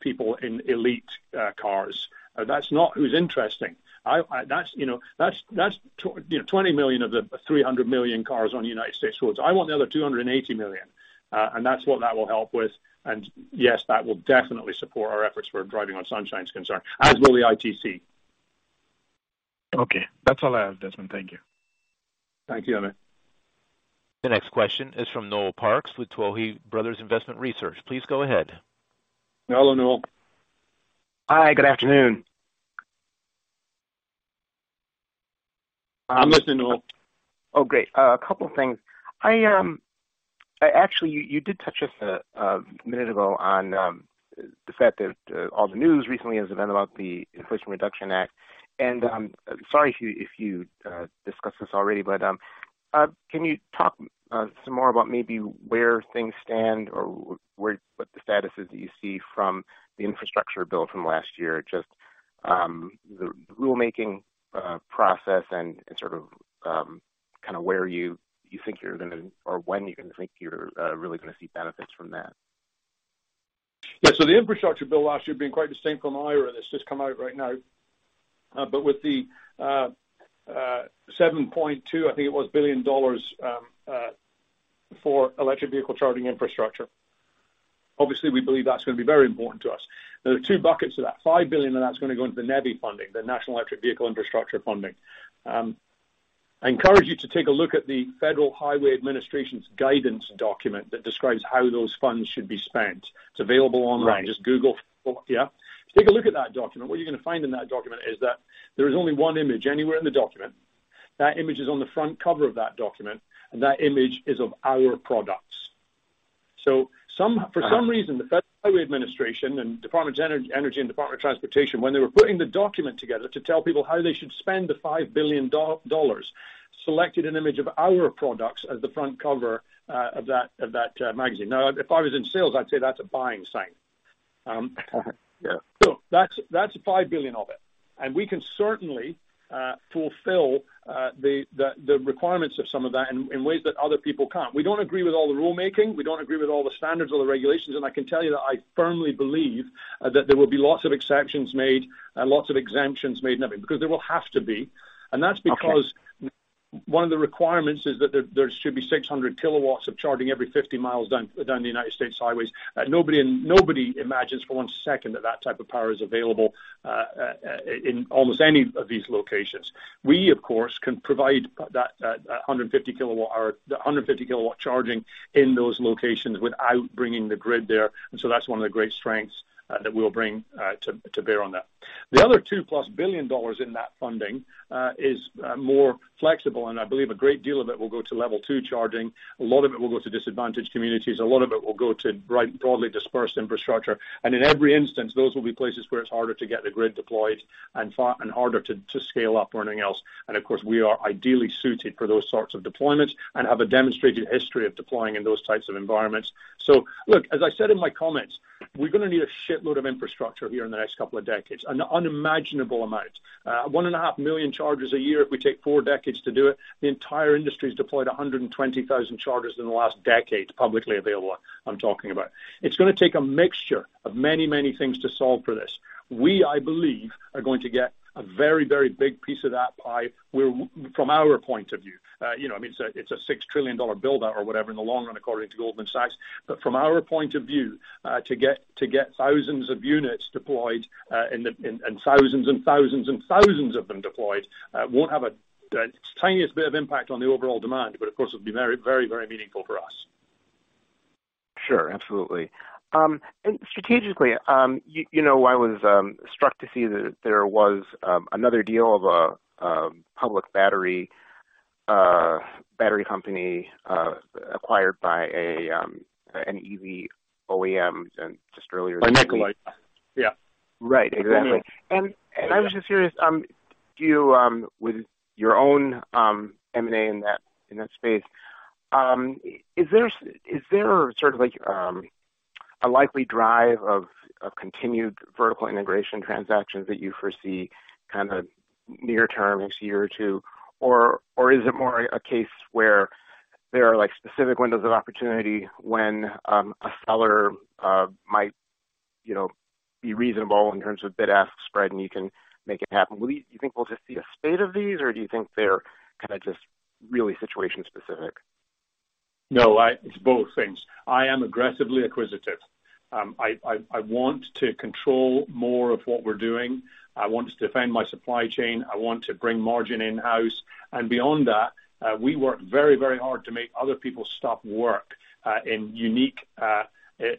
people in elite cars. That's not who's interesting. I, that's, you know, that's 20 million of the 300 million cars on United States roads. I want the other 280 million, and that's what that will help with. Yes, that will definitely support our efforts where Driving on Sunshine's concerned, as will the ITC. Okay. That's all I have, Desmond. Thank you. Thank you, Amit. The next question is from Noel Parks with Tuohy Brothers Investment Research. Please go ahead. Hello, Noel. Hi, good afternoon. I'm listening, Noel. Oh, great. A couple things. I actually, you did touch just a minute ago on the fact that all the news recently has been about the Inflation Reduction Act. Sorry if you discussed this already, but can you talk some more about maybe where things stand or what the status is that you see from the infrastructure bill from last year. Just the rulemaking process and sort of kinda where you think you're gonna or when you think you're really gonna see benefits from that. Yeah. The infrastructure bill last year has been quite distinct from IRA that's just come out right now. With the $7.2 billion, I think it was, for electric vehicle charging infrastructure. Obviously, we believe that's gonna be very important to us. There are two buckets of that. $5 billion of that's gonna go into the NEVI funding, the National Electric Vehicle Infrastructure funding. I encourage you to take a look at the Federal Highway Administration's guidance document that describes how those funds should be spent. It's available online. Right. Just Google. Yeah. If you take a look at that document, what you're gonna find in that document is that there is only one image anywhere in the document. That image is on the front cover of that document, and that image is of our products. Uh-huh. For some reason, the Federal Highway Administration and Department of Energy, and Department of Transportation, when they were putting the document together to tell people how they should spend the $5 billion, selected an image of our products as the front cover of that magazine. Now, if I was in sales, I'd say that's a buying sign. Yeah. That's $5 billion of it, and we can certainly fulfill the requirements of some of that in ways that other people can't. We don't agree with all the rulemaking. We don't agree with all the standards or the regulations. I can tell you that I firmly believe that there will be lots of exceptions made and lots of exemptions made in that because there will have to be. Okay. That's because one of the requirements is that there should be 600 kW of charging every 50 miles down the United States highways. Nobody imagines for one second that that type of power is available in almost any of these locations. We, of course, can provide that 150 kW or the 150 kW charging in those locations without bringing the grid there. That's one of the great strengths that we'll bring to bear on that. The other $2+ billion in that funding is more flexible, and I believe a great deal of it will go to level two charging. A lot of it will go to disadvantaged communities. A lot of it will go to broadly dispersed infrastructure. In every instance, those will be places where it's harder to get the grid deployed and far, and harder to scale up or anything else. Of course, we are ideally suited for those sorts of deployments and have a demonstrated history of deploying in those types of environments. Look, as I said in my comments, we're gonna need a shitload of infrastructure here in the next couple of decades, an unimaginable amount. 1.5 million chargers a year if we take four decades to do it. The entire industry's deployed 120,000 chargers in the last decade, publicly available I'm talking about. It's gonna take a mixture of many, many things to solve for this. We, I believe, are going to get a very, very big piece of that pie where from our point of view. You know, I mean, it's a $6 trillion build-out or whatever in the long run, according to Goldman Sachs. From our point of view, to get thousands of units deployed, and thousands of them deployed, won't have the tiniest bit of impact on the overall demand, but of course it'll be very meaningful for us. Sure. Absolutely. Strategically, you know, I was struck to see that there was another deal of a public battery company acquired by an EV OEM then just earlier this week. By Nikola. Yeah. Right. Exactly. Mm-hmm. I was just curious, do you, with your own, M&A in that space, is there sort of like, a likely drive of continued vertical integration transactions that you foresee kind of near term, next year or two. Or is it more a case where there are like specific windows of opportunity when a seller might, you know, be reasonable in terms of bid-ask spread, and you can make it happen? Do you think we'll just see a spate of these, or do you think they're kind of just really situation specific? No, it's both things. I am aggressively acquisitive. I want to control more of what we're doing. I want to defend my supply chain. I want to bring margin in-house. Beyond that, we work very, very hard to make other people's stuff work in unique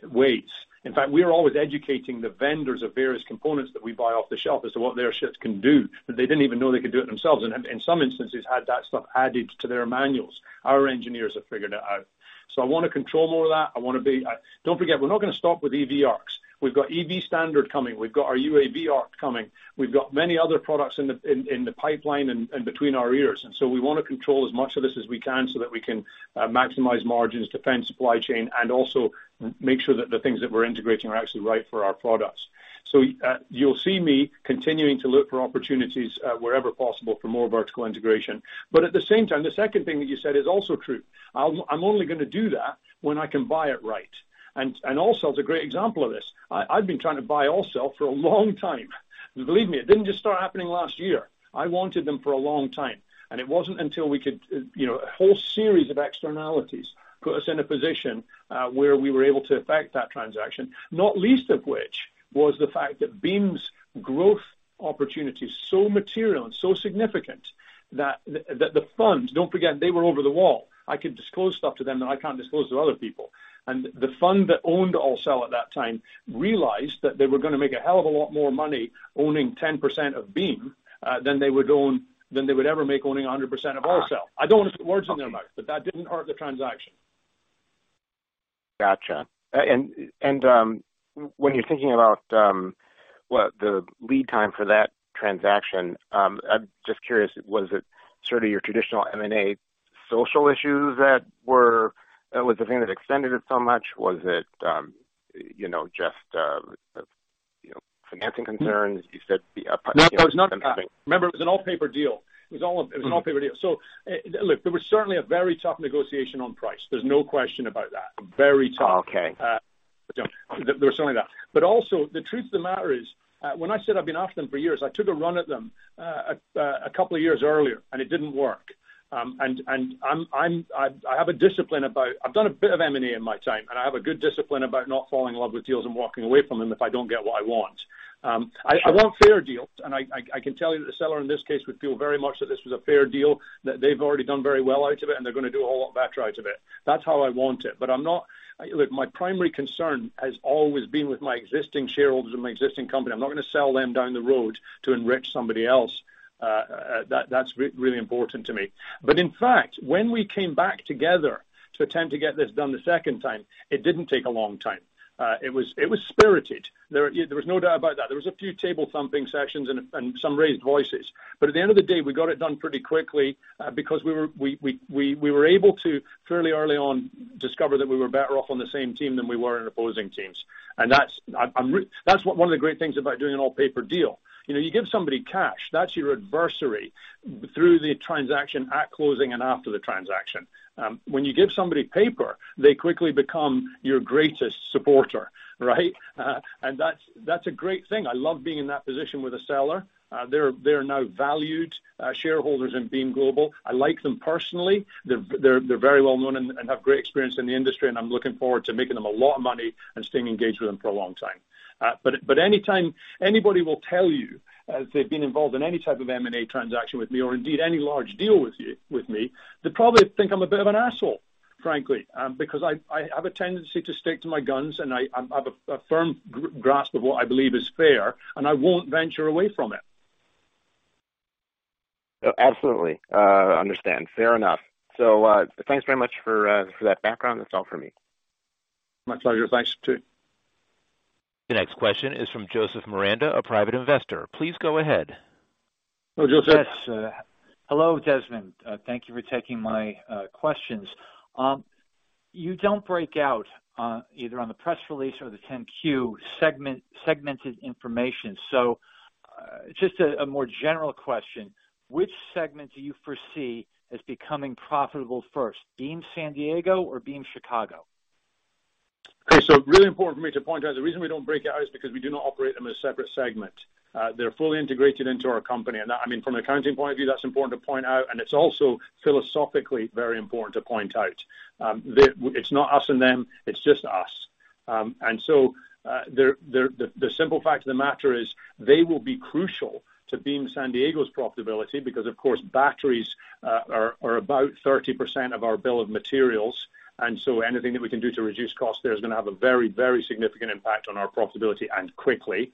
ways. In fact, we are always educating the vendors of various components that we buy off the shelf as to what their shit can do, that they didn't even know they could do it themselves. In some instances had that stuff added to their manuals. Our engineers have figured it out. I want to control more of that. I want to be. Don't forget, we're not gonna stop with EV ARCs. We've got EV Standard coming. We've got our UAV ARC coming. We've got many other products in the pipeline and between our ears. We wanna control as much of this as we can so that we can maximize margins, defend supply chain, and also make sure that the things that we're integrating are actually right for our products. You'll see me continuing to look for opportunities wherever possible for more vertical integration. At the same time, the second thing that you said is also true. I'm only gonna do that when I can buy it right. AllCell's a great example of this. I've been trying to buy AllCell for a long time. Believe me, it didn't just start happening last year. I wanted them for a long time. It wasn't until we could, you know, a whole series of externalities put us in a position, where we were able to effect that transaction, not least of which was the fact that Beam's growth opportunity is so material and so significant that the funds, don't forget, they were over the wall. I could disclose stuff to them that I can't disclose to other people. The fund that owned AllCell at that time realized that they were gonna make a hell of a lot more money owning 10% of Beam, than they would ever make owning 100% of AllCell. I don't wanna put words in their mouth, but that didn't hurt the transaction. Gotcha. When you're thinking about what the lead time for that transaction, I'm just curious, was it sort of your traditional M&A usual issues that were the thing that extended it so much? Was it, you know, just, you know, financing concerns? You said the No, it was not that. Remember, it was an all-paper deal. It was an all-paper deal. Look, there was certainly a very tough negotiation on price. There's no question about that. Very tough. Okay. There was certainly that. Also, the truth of the matter is, when I said I've been after them for years, I took a run at them, a couple of years earlier and it didn't work. I have a discipline about. I've done a bit of M&A in my time, and I have a good discipline about not falling in love with deals and walking away from them if I don't get what I want. I want fair deals, and I can tell you that the seller in this case would feel very much that this was a fair deal, that they've already done very well out of it, and they're gonna do a whole lot better out of it. That's how I want it. I'm not. Look, my primary concern has always been with my existing shareholders and my existing company. I'm not gonna sell them down the road to enrich somebody else. That's really important to me. In fact, when we came back together to attempt to get this done the second time, it didn't take a long time. It was spirited. There was no doubt about that. There was a few table thumping sessions and some raised voices. At the end of the day, we got it done pretty quickly, because we were able to fairly early on discover that we were better off on the same team than we were in opposing teams. That's one of the great things about doing an all-paper deal. You know, you give somebody cash, that's your adversary through the transaction, at closing and after the transaction. When you give somebody paper, they quickly become your greatest supporter, right? That's a great thing. I love being in that position with a seller. They're very well known and have great experience in the industry, and I'm looking forward to making them a lot of money and staying engaged with them for a long time. Anytime anybody will tell you, if they've been involved in any type of M&A transaction with me, or indeed any large deal with me, they probably think I'm a bit of an asshole, frankly. Because I have a tendency to stick to my guns and I have a firm grasp of what I believe is fair, and I won't venture away from it. Absolutely. Understand. Fair enough. Thanks very much for that background. That's all for me. My pleasure. Thanks to you. The next question is from Joseph Miranda, a private investor. Please go ahead. Hello, Joseph. Yes. Hello, Desmond. Thank you for taking my questions. You don't break out either on the press release or the 10-Q segment, segmented information. Just a more general question, which segment do you foresee as becoming profitable first, Beam San Diego or Beam Chicago? Okay, really important for me to point out, the reason we don't break it out is because we do not operate them as a separate segment. They're fully integrated into our company. That, I mean, from an accounting point of view, that's important to point out, and it's also philosophically very important to point out. It's not us and them, it's just us. The simple fact of the matter is they will be crucial to Beam San Diego's profitability because, of course, batteries are about 30% of our bill of materials, and so anything that we can do to reduce costs there is gonna have a very, very significant impact on our profitability, and quickly.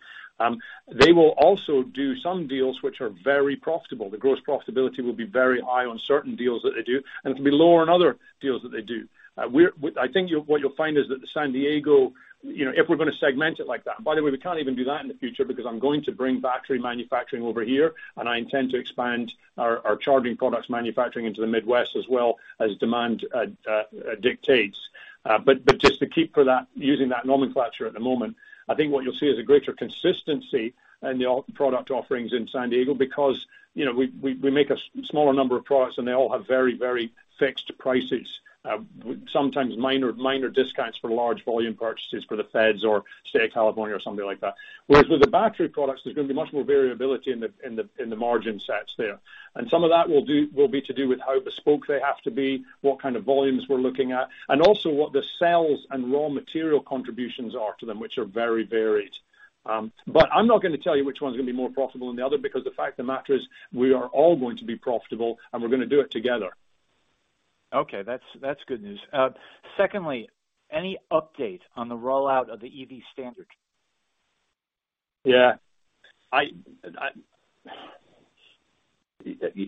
They will also do some deals which are very profitable. The gross profitability will be very high on certain deals that they do, and it'll be lower on other deals that they do. I think what you'll find is that the San Diego, you know, if we're gonna segment it like that, and by the way, we can't even do that in the future because I'm going to bring battery manufacturing over here, and I intend to expand our charging products manufacturing into the Midwest as well as demand dictates. Just to keep to that, using that nomenclature at the moment, I think what you'll see is a greater consistency in the product offerings in San Diego because, you know, we make a smaller number of products and they all have very fixed prices. Sometimes minor discounts for large volume purchases for the feds or State of California or something like that. Whereas with the battery products, there's gonna be much more variability in the margin sets there. Some of that will be to do with how bespoke they have to be, what kind of volumes we're looking at, and also what the sales and raw material contributions are to them, which are very varied. I'm not gonna tell you which one's gonna be more profitable than the other because the fact of the matter is we are all going to be profitable, and we're gonna do it together. Okay. That's good news. Secondly, any update on the rollout of the EV Standard? Yeah.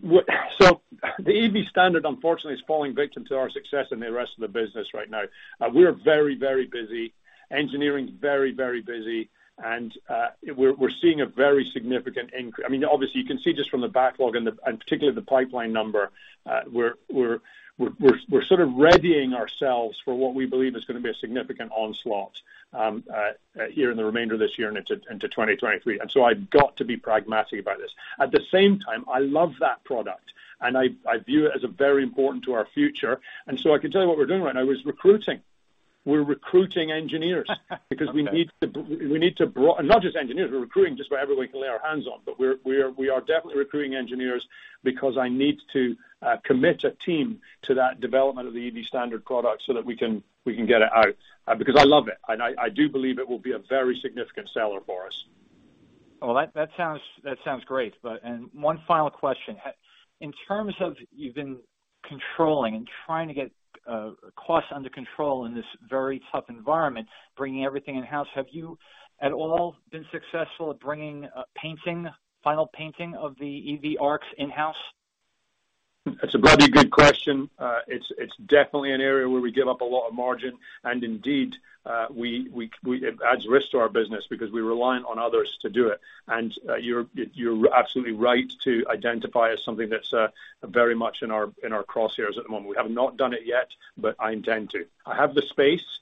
What, so the EV Standard unfortunately is falling victim to our success in the rest of the business right now. We're very, very busy. Engineering's very, very busy. We're seeing a very significant increase. I mean, obviously you can see just from the backlog and particularly the pipeline number, we're sort of readying ourselves for what we believe is gonna be a significant onslaught here in the remainder of this year and into 2023. I've got to be pragmatic about this. At the same time, I love that product, and I view it as very important to our future. I can tell you what we're doing right now is recruiting. We're recruiting engineers. Okay. Because we need to bring on not just engineers. We're recruiting just about everybody we can lay our hands on. We are definitely recruiting engineers because I need to commit a team to that development of the EV Standard product so that we can get it out because I love it. I do believe it will be a very significant seller for us. Well, that sounds great. One final question. In terms of you've been controlling and trying to get costs under control in this very tough environment, bringing everything in-house, have you at all been successful at bringing painting, final painting of the EV ARCs in-house? That's a bloody good question. It's definitely an area where we give up a lot of margin. Indeed, it adds risk to our business because we're reliant on others to do it. You're absolutely right to identify as something that's very much in our crosshairs at the moment. We have not done it yet, but I intend to. I have the space,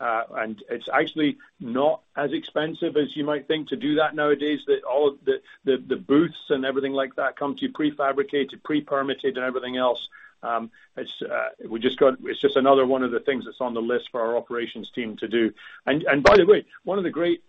and it's actually not as expensive as you might think to do that nowadays. All the booths and everything like that come to you prefabricated, pre-permitted and everything else. It's just another one of the things that's on the list for our operations team to do. By the way, one of the great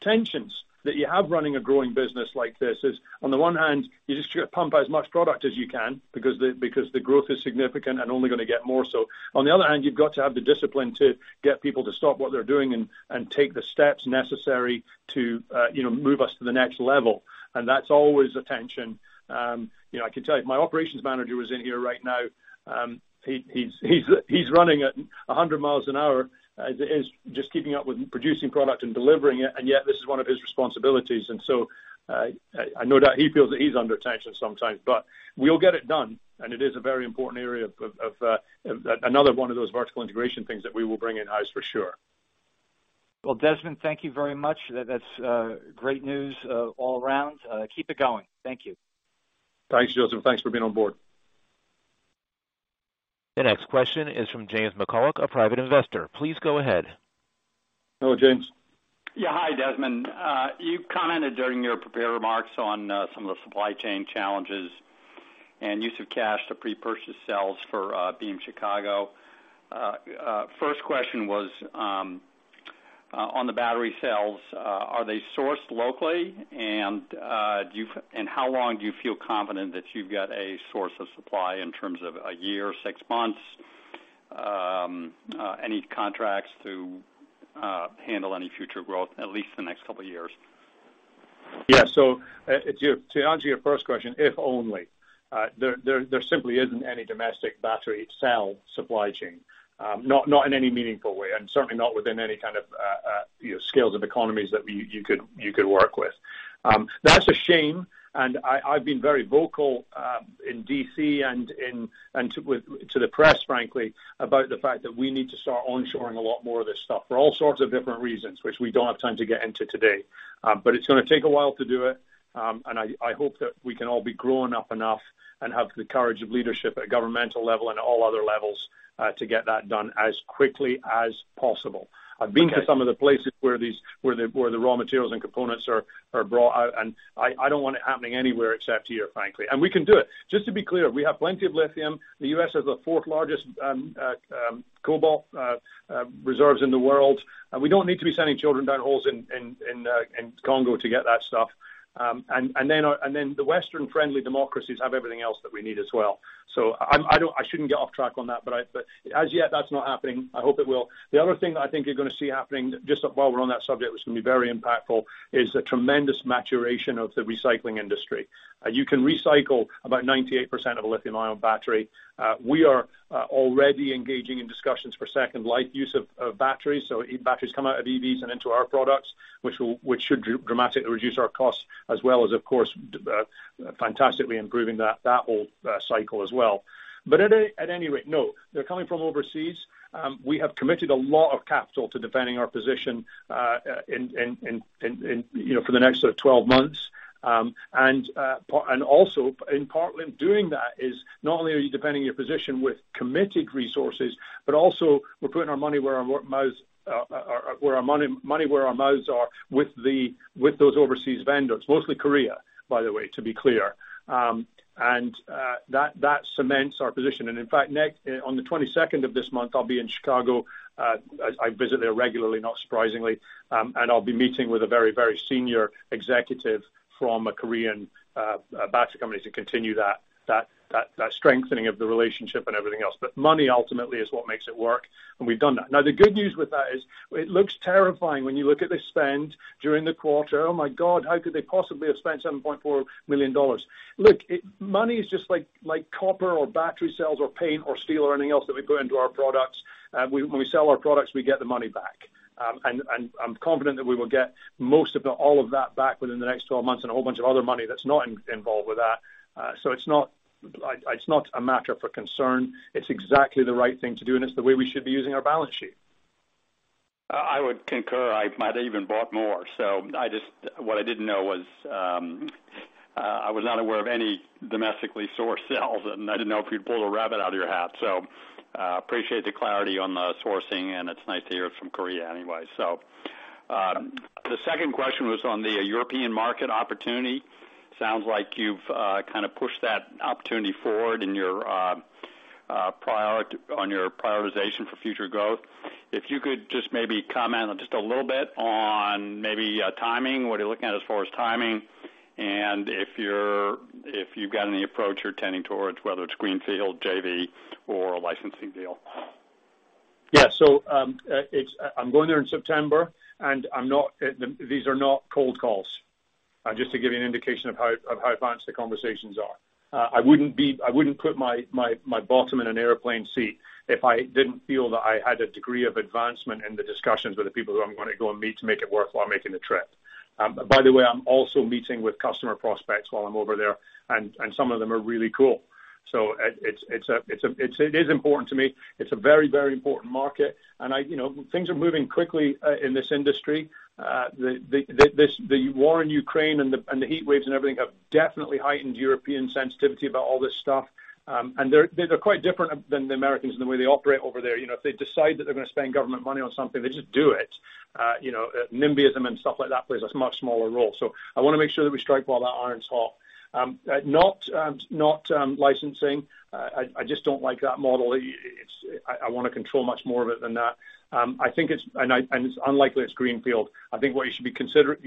tensions that you have running a growing business like this is on the one hand, you just pump out as much product as you can because the growth is significant and only gonna get more so. On the other hand, you've got to have the discipline to get people to stop what they're doing and take the steps necessary to, you know, move us to the next level. That's always a tension. You know, I can tell you if my operations manager was in here right now, he's running at 100 miles an hour, is just keeping up with producing product and delivering it, and yet this is one of his responsibilities. I know that he feels that he's under tension sometimes. We'll get it done, and it is a very important area of another one of those vertical integration things that we will bring in-house for sure. Well, Desmond, thank you very much. That's great news all around. Keep it going. Thank you. Thanks, Joseph. Thanks for being on board. The next question is from James McCullough, a private investor. Please go ahead. Hello, James. Yeah. Hi, Desmond. You commented during your prepared remarks on some of the supply chain challenges and use of cash to pre-purchase cells for Beam Chicago. First question was on the battery cells. Are they sourced locally? How long do you feel confident that you've got a source of supply in terms of a year, six months? Any contracts to handle any future growth, at least the next couple of years? Yeah. To answer your first question, if only. There simply isn't any domestic battery cell supply chain, not in any meaningful way, and certainly not within any kind of you know economies of scale you could work with. That's a shame, and I've been very vocal in D.C. and to the press, frankly, about the fact that we need to start onshoring a lot more of this stuff for all sorts of different reasons, which we don't have time to get into today. It's gonna take a while to do it. I hope that we can all be grown up enough and have the courage of leadership at governmental level and all other levels to get that done as quickly as possible. Okay. I've been to some of the places where the raw materials and components are brought out, and I don't want it happening anywhere except here, frankly. We can do it. Just to be clear, we have plenty of lithium. The U.S. has the fourth largest cobalt reserves in the world. We don't need to be sending children down holes in Congo to get that stuff. The Western-friendly democracies have everything else that we need as well. I shouldn't get off track on that, but as yet, that's not happening. I hope it will. The other thing that I think you're gonna see happening just while we're on that subject, which is gonna be very impactful, is the tremendous maturation of the recycling industry. You can recycle about 98% of a lithium-ion battery. We are already engaging in discussions for second life use of batteries. Batteries come out of EVs and into our products, which should dramatically reduce our costs as well as, of course, fantastically improving that whole cycle as well. At any rate, no. They're coming from overseas. We have committed a lot of capital to defending our position in you know for the next sort of 12 months. Also in part in doing that is not only are you defending your position with committed resources, but also we're putting our money where our mouths are with those overseas vendors, mostly Korea, by the way, to be clear. That cements our position. In fact, next on the 22nd of this month, I'll be in Chicago. I visit there regularly, not surprisingly. I'll be meeting with a very senior executive from a Korean battery company to continue that strengthening of the relationship and everything else. Money ultimately is what makes it work, and we've done that. Now, the good news with that is it looks terrifying when you look at the spend during the quarter. Oh my God, how could they possibly have spent $7.4 million? Look, money is just like copper or battery cells or paint or steel or anything else that would go into our products. We, when we sell our products, we get the money back. And I'm confident that we will get all of that back within the next 12 months and a whole bunch of other money that's not involved with that. So it's not, like, it's not a matter for concern. It's exactly the right thing to do, and it's the way we should be using our balance sheet. I would concur. I might have even bought more. What I didn't know was, I was not aware of any domestically sourced cells, and I didn't know if you'd pulled a rabbit out of your hat. Appreciate the clarity on the sourcing, and it's nice to hear it's from Korea anyway. The second question was on the European market opportunity. Sounds like you've kinda pushed that opportunity forward in your prioritization for future growth. If you could just maybe comment just a little bit on timing, what are you looking at as far as timing, and if you've got any approach you're tending towards, whether it's greenfield, JV, or a licensing deal. I'm going there in September. These are not cold calls, just to give you an indication of how advanced the conversations are. I wouldn't put my bottom in an airplane seat if I didn't feel that I had a degree of advancement in the discussions with the people who I'm gonna go and meet to make it work while I'm making the trip. By the way, I'm also meeting with customer prospects while I'm over there, and some of them are really cool. It is important to me. It's a very important market. I, you know, things are moving quickly in this industry. The war in Ukraine and the heat waves and everything have definitely heightened European sensitivity about all this stuff. They're quite different than the Americans in the way they operate over there. You know, if they decide that they're gonna spend government money on something, they just do it. You know, NIMBYism and stuff like that plays a much smaller role. I wanna make sure that we strike while that iron's hot. Not licensing. I just don't like that model. I wanna control much more of it than that. I think it's unlikely it's greenfield. I think what you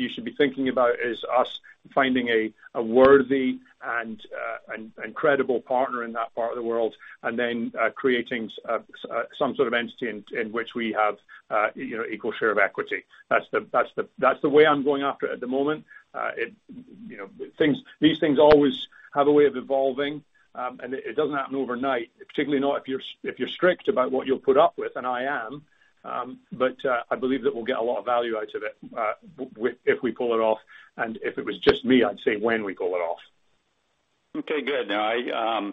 should be thinking about is us finding a worthy and credible partner in that part of the world and then creating some sort of entity in which we have you know equal share of equity. That's the way I'm going after it at the moment. It you know these things always have a way of evolving and it doesn't happen overnight, particularly not if you're strict about what you'll put with, and I am. I believe that we'll get a lot of value out of it if we pull it off. If it was just me, I'd say when we pull it off. Okay, good. Now I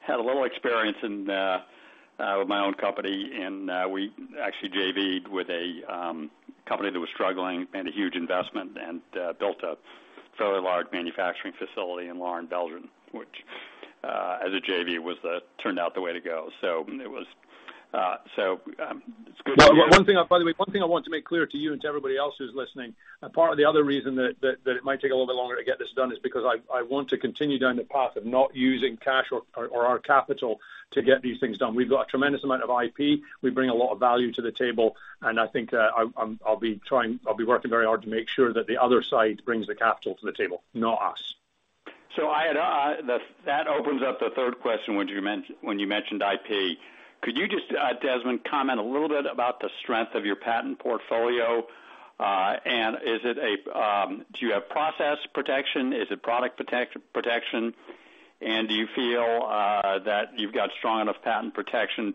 had a little experience with my own company, and we actually JV'd with a company that was struggling, made a huge investment and built a fairly large manufacturing facility in Leuven, Belgium, which as a JV turned out the way to go. It's good to hear. By the way, one thing I want to make clear to you and to everybody else who's listening, a part of the other reason that it might take a little bit longer to get this done is because I want to continue down the path of not using cash or our capital to get these things done. We've got a tremendous amount of IP. We bring a lot of value to the table, and I think, I'll be trying, I'll be working very hard to make sure that the other side brings the capital to the table, not us. That opens up the third question when you mentioned IP. Could you just, Desmond, comment a little bit about the strength of your patent portfolio? Do you have process protection? Is it product protection? Do you feel that you've got strong enough patent protection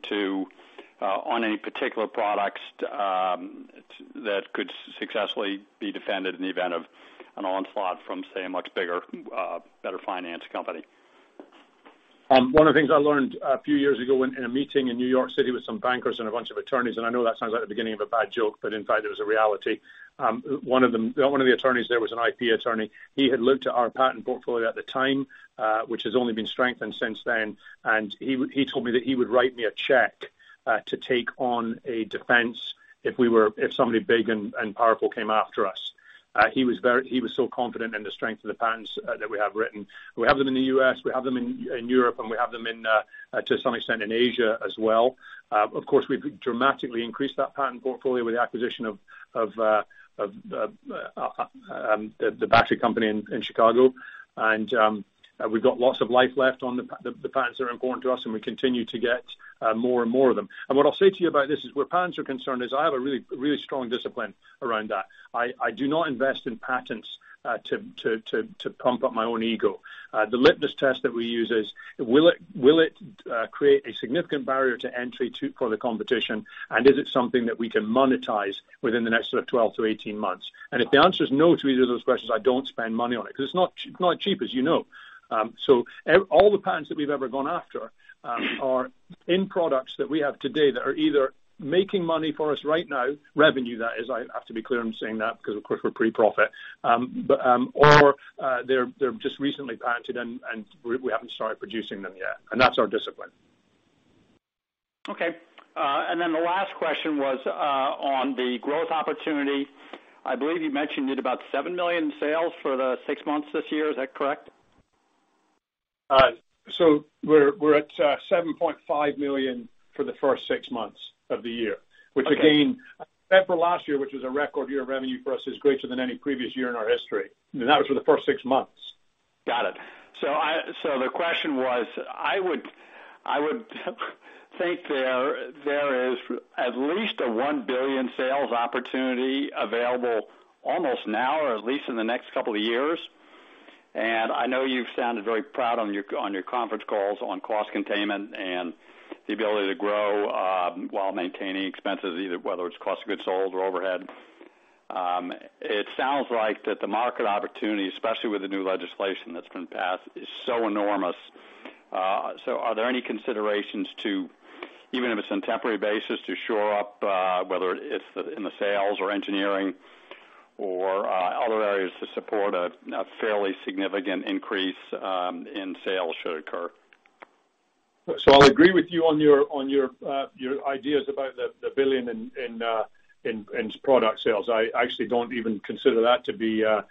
on any particular products that could successfully be defended in the event of an onslaught from, say, a much bigger, better financed company? One of the things I learned a few years ago in a meeting in New York City with some bankers and a bunch of attorneys, and I know that sounds like the beginning of a bad joke, but in fact it was a reality. One of them, one of the attorneys there was an IP attorney. He had looked at our patent portfolio at the time, which has only been strengthened since then. He told me that he would write me a check to take on a defense if somebody big and powerful came after us. He was so confident in the strength of the patents that we have written. We have them in the U.S., we have them in Europe, and we have them to some extent in Asia as well. Of course, we've dramatically increased that patent portfolio with the acquisition of the battery company in Chicago. We've got lots of life left on the patents that are important to us, and we continue to get more and more of them. What I'll say to you about this is where patents are concerned is I have a really strong discipline around that. I do not invest in patents to pump up my own ego. The litmus test that we use is will it create a significant barrier to entry for the competition? Is it something that we can monetize within the next sort of 12 months-18 months? If the answer is no to either of those questions, I don't spend money on it, 'cause it's not cheap, as you know. All the patents that we've ever gone after are in products that we have today that are either making money for us right now, revenue that is. I have to be clear in saying that because of course we're pre-profit. But or they're just recently patented and we haven't started producing them yet. That's our discipline. Okay. The last question was on the growth opportunity. I believe you mentioned it about $7 million in sales for the six months this year. Is that correct? We're at $7.5 million for the first six months of the year. Okay. Which again, April last year, which was a record year of revenue for us, is greater than any previous year in our history. That was for the first six months. Got it. The question was, I would think there is at least a $1 billion sales opportunity available almost now or at least in the next couple of years. I know you've sounded very proud on your conference calls on cost containment and the ability to grow while maintaining expenses, either whether it's cost of goods sold or overhead. It sounds like the market opportunity, especially with the new legislation that's been passed, is so enormous. Are there any considerations to, even if it's on temporary basis, to shore up whether it's in the sales or engineering or other areas to support a fairly significant increase in sales should occur? I'll agree with you on your ideas about the $1 billion in product sales. I actually don't even consider that to be a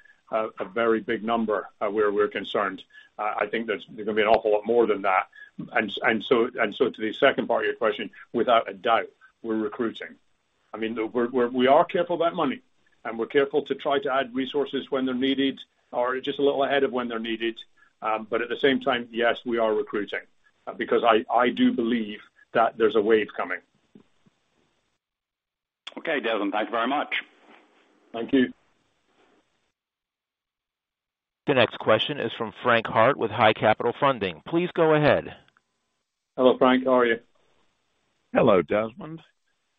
very big number where we're concerned. I think that's gonna be an awful lot more than that. To the second part of your question, without a doubt, we're recruiting. I mean, we are careful about money, and we're careful to try to add resources when they're needed or just a little ahead of when they're needed. At the same time, yes, we are recruiting. I do believe that there's a wave coming. Okay, Desmond, thank you very much. Thank you. The next question is from Frank Hart with High Capital Funding. Please go ahead. Hello, Frank. How are you? Hello, Desmond.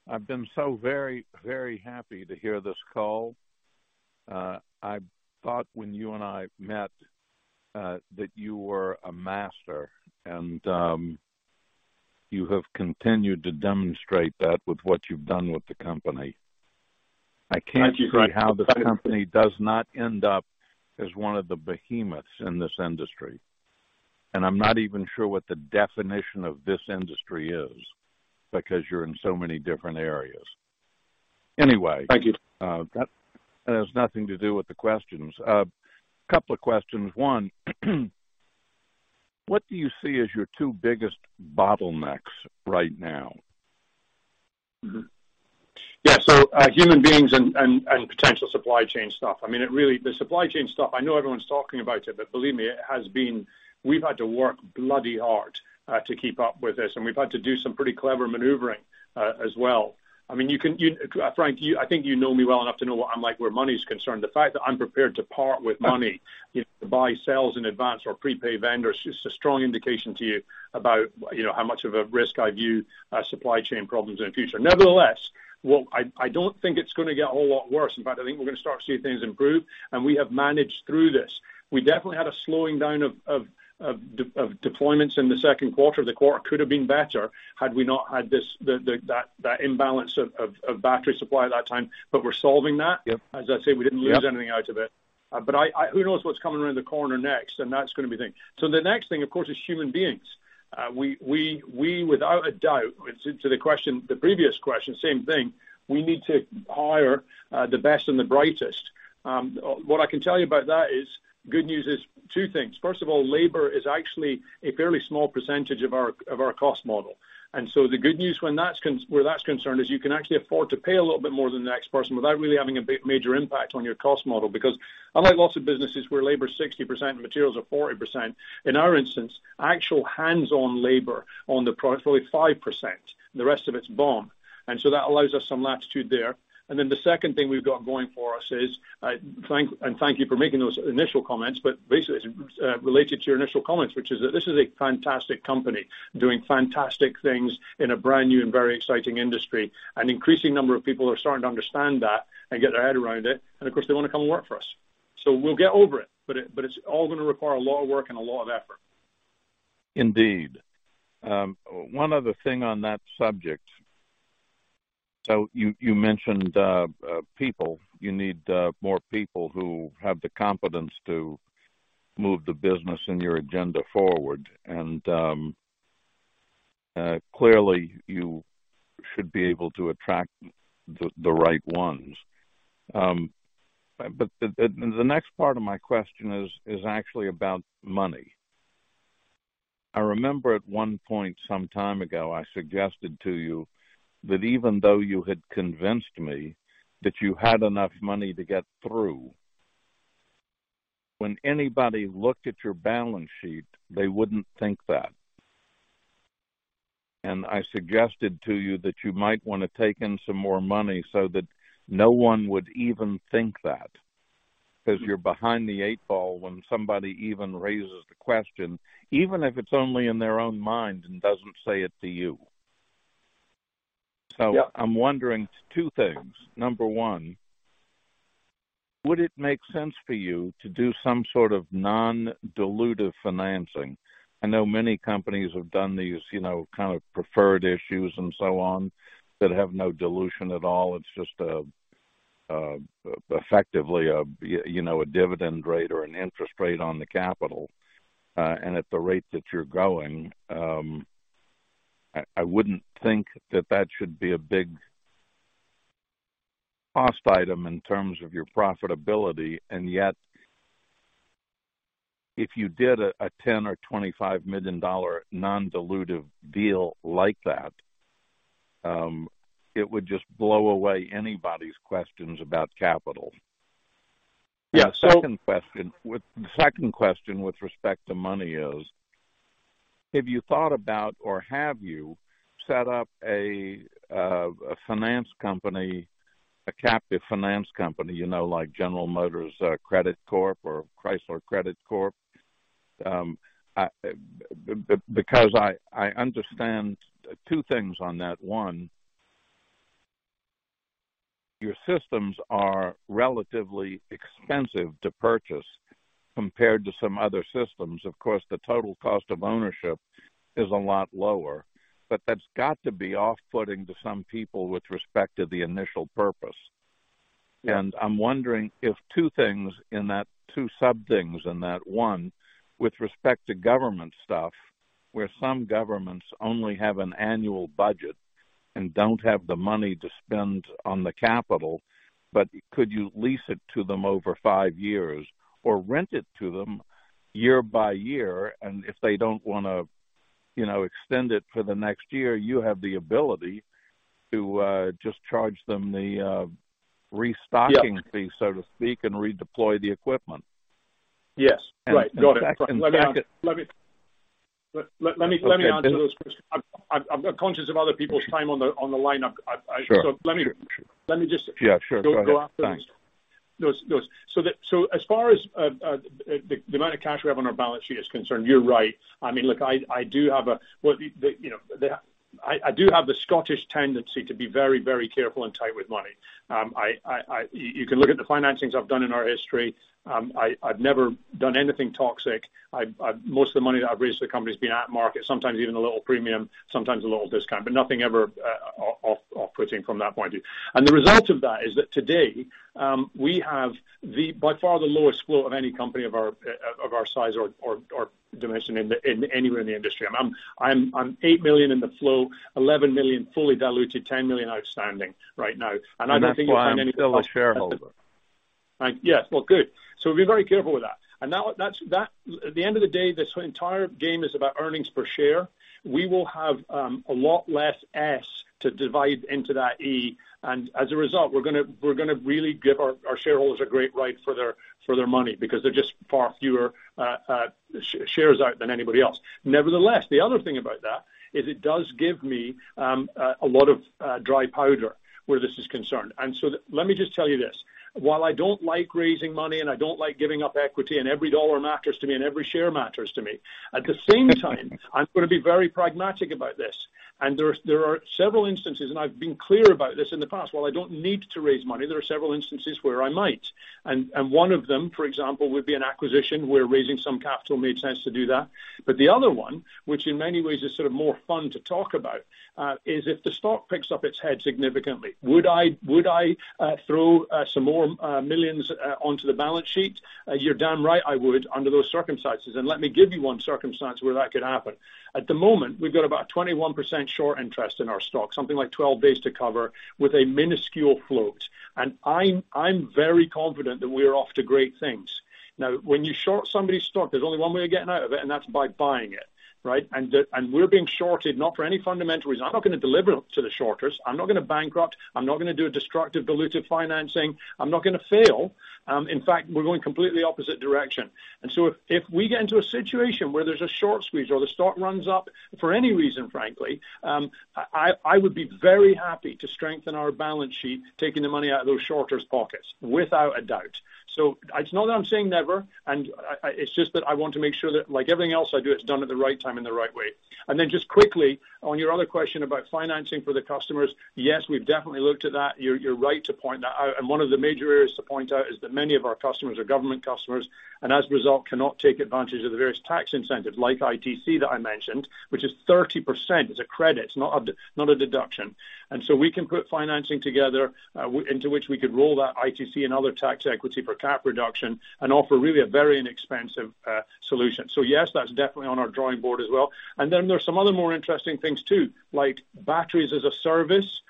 I've been so very, very happy to hear this call. I thought when you and I met, that you were a master. You have continued to demonstrate that with what you've done with the company. Thank you, Frank. I can't see how this company does not end up as one of the behemoths in this industry. I'm not even sure what the definition of this industry is because you're in so many different areas. Anyway. Thank you. That has nothing to do with the questions. Couple of questions. One, what do you see as your two biggest bottlenecks right now? Yeah. Human beings and potential supply chain stuff. I mean, it really, the supply chain stuff. I know everyone's talking about it, but believe me, it has been. We've had to work bloody hard to keep up with this, and we've had to do some pretty clever maneuvering as well. I mean, you can, Frank, you, I think you know me well enough to know what I'm like where money's concerned. The fact that I'm prepared to part with money to buy cells in advance or prepay vendors is a strong indication to you about, you know, how much of a risk I view supply chain problems in the future. Nevertheless, I don't think it's gonna get a whole lot worse. In fact, I think we're gonna start to see things improve, and we have managed through this. We definitely had a slowing down of deployments in the second quarter. The quarter could have been better had we not had that imbalance of battery supply at that time. We're solving that. Yep. As I say, we didn't lose anything out of it. Who knows what's coming around the corner next, and that's gonna be the thing. The next thing, of course, is human beings. We, without a doubt, to the previous question, same thing, we need to hire the best and the brightest. What I can tell you about that is good news is two things. First of all, labor is actually a fairly small percentage of our cost model. The good news when that's where that's concerned is you can actually afford to pay a little bit more than the next person without really having a big, major impact on your cost model. Because unlike lots of businesses where labor is 60% and materials are 40%, in our instance, actual hands-on labor on the product is only 5%, and the rest of it's BOM. That allows us some latitude there. Then the second thing we've got going for us is and thank you for making those initial comments, but basically, it's related to your initial comments, which is that this is a fantastic company doing fantastic things in a brand new and very exciting industry. An increasing number of people are starting to understand that and get their head around it. Of course, they wanna come and work for us. We'll get over it, but it's all gonna require a lot of work and a lot of effort. Indeed. One other thing on that subject. You mentioned people. You need more people who have the competence to move the business and your agenda forward. Clearly, you should be able to attract the right ones. The next part of my question is actually about money. I remember at one point some time ago, I suggested to you that even though you had convinced me that you had enough money to get through, when anybody looked at your balance sheet, they wouldn't think that. I suggested to you that you might wanna take in some more money so that no one would even think that, 'cause you're behind the eight ball when somebody even raises the question, even if it's only in their own mind and doesn't say it to you. Yeah. I'm wondering two things. Number one, would it make sense for you to do some sort of non-dilutive financing? I know many companies have done these, you know, kind of preferred issues and so on that have no dilution at all. It's just effectively you know a dividend rate or an interest rate on the capital, and at the rate that you're going, I wouldn't think that that should be a big cost item in terms of your profitability. Yet, if you did a $10 million or $25 million non-dilutive deal like that, it would just blow away anybody's questions about capital. Yeah. The second question with respect to money is, have you thought about or have you set up a finance company, a captive finance company, you know, like General Motors Credit Corp or Chrysler Credit Corp? Because I understand two things on that. One, your systems are relatively expensive to purchase compared to some other systems. Of course, the total cost of ownership is a lot lower, but that's got to be off-putting to some people with respect to the initial purpose. Yeah. I'm wondering if two things in that, two sub things in that. One, with respect to government stuff, where some governments only have an annual budget and don't have the money to spend on the capital, but could you lease it to them over five years or rent it to them year by year? If they don't wanna, you know, extend it for the next year, you have the ability to just charge them the restocking. Yeah Fee, so to speak, and redeploy the equipment. Yes. Right. Got it. And second- Let me answer those questions. I'm conscious of other people's time on the line. Sure. Let me just. Yeah, sure. Go ahead. Thanks. Go after those. As far as the amount of cash we have on our balance sheet is concerned, you're right. I mean, look, I do have the Scottish tendency to be very careful and tight with money. You know, I do have the Scottish tendency to be very careful and tight with money. You can look at the financings I've done in our history. I've never done anything toxic. Most of the money that I've raised for the company has been at market, sometimes even a little premium, sometimes a little discount, but nothing ever off-putting from that point of view. The result of that is that today, we have by far the lowest float of any company of our size or dimension anywhere in the industry. I'm 8 million in the float, 11 million fully diluted, 10 million outstanding right now. I don't think you'll find any. That's why I'm still a shareholder. Thank you. Yes. Well, good. We're very careful with that. Now that's at the end of the day, this entire game is about earnings per share. We will have a lot less S to divide into that E. As a result, we're gonna really give our shareholders a great ride for their money because they're just far fewer shares out than anybody else. Nevertheless, the other thing about that is it does give me a lot of dry powder where this is concerned. Let me just tell you this. While I don't like raising money and I don't like giving up equity, and every dollar matters to me and every share matters to me, at the same time, I'm gonna be very pragmatic about this. There are several instances, and I've been clear about this in the past. While I don't need to raise money, there are several instances where I might. One of them, for example, would be an acquisition where raising some capital made sense to do that. The other one, which in many ways is sort of more fun to talk about, is if the stock picks up its head significantly, would I throw some more millions onto the balance sheet? You're damn right I would under those circumstances. Let me give you one circumstance where that could happen. At the moment, we've got about 21% short interest in our stock, something like 12 days to cover with a minuscule float. I'm very confident that we're off to great things. Now, when you short somebody's stock, there's only one way of getting out of it, and that's by buying it, right? We're being shorted not for any fundamental reason. I'm not gonna deliver to the shorters. I'm not gonna bankrupt. I'm not gonna do a destructive dilutive financing. I'm not gonna fail. In fact, we're going completely opposite direction. So if we get into a situation where there's a short squeeze or the stock runs up for any reason, frankly, I would be very happy to strengthen our balance sheet, taking the money out of those shorters' pockets, without a doubt. So it's not that I'm saying never. I want to make sure that, like everything else I do, it's done at the right time and the right way. Just quickly, on your other question about financing for the customers, yes, we've definitely looked at that. You're right to point that out. One of the major areas to point out is that many of our customers are government customers, and as a result, cannot take advantage of the various tax incentives like ITC that I mentioned, which is 30%. It's a credit, not a deduction. We can put financing together into which we could roll that ITC and other tax equity for CapEx reduction and offer really a very inexpensive solution. Yes, that's definitely on our drawing board as well. There are some other more interesting things too, like batteries as a service.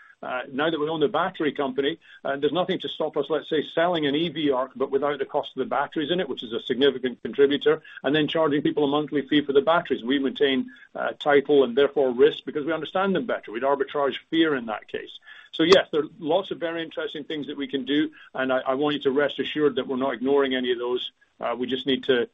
Now that we own the battery company, there's nothing to stop us, let's say, selling an EV ARC, but without the cost of the batteries in it, which is a significant contributor, and then charging people a monthly fee for the batteries. We retain title and therefore risk because we understand them better. We'd arbitrage fear in that case. Yes, there are lots of very interesting things that we can do, and I want you to rest assured that we're not ignoring any of those. We just need to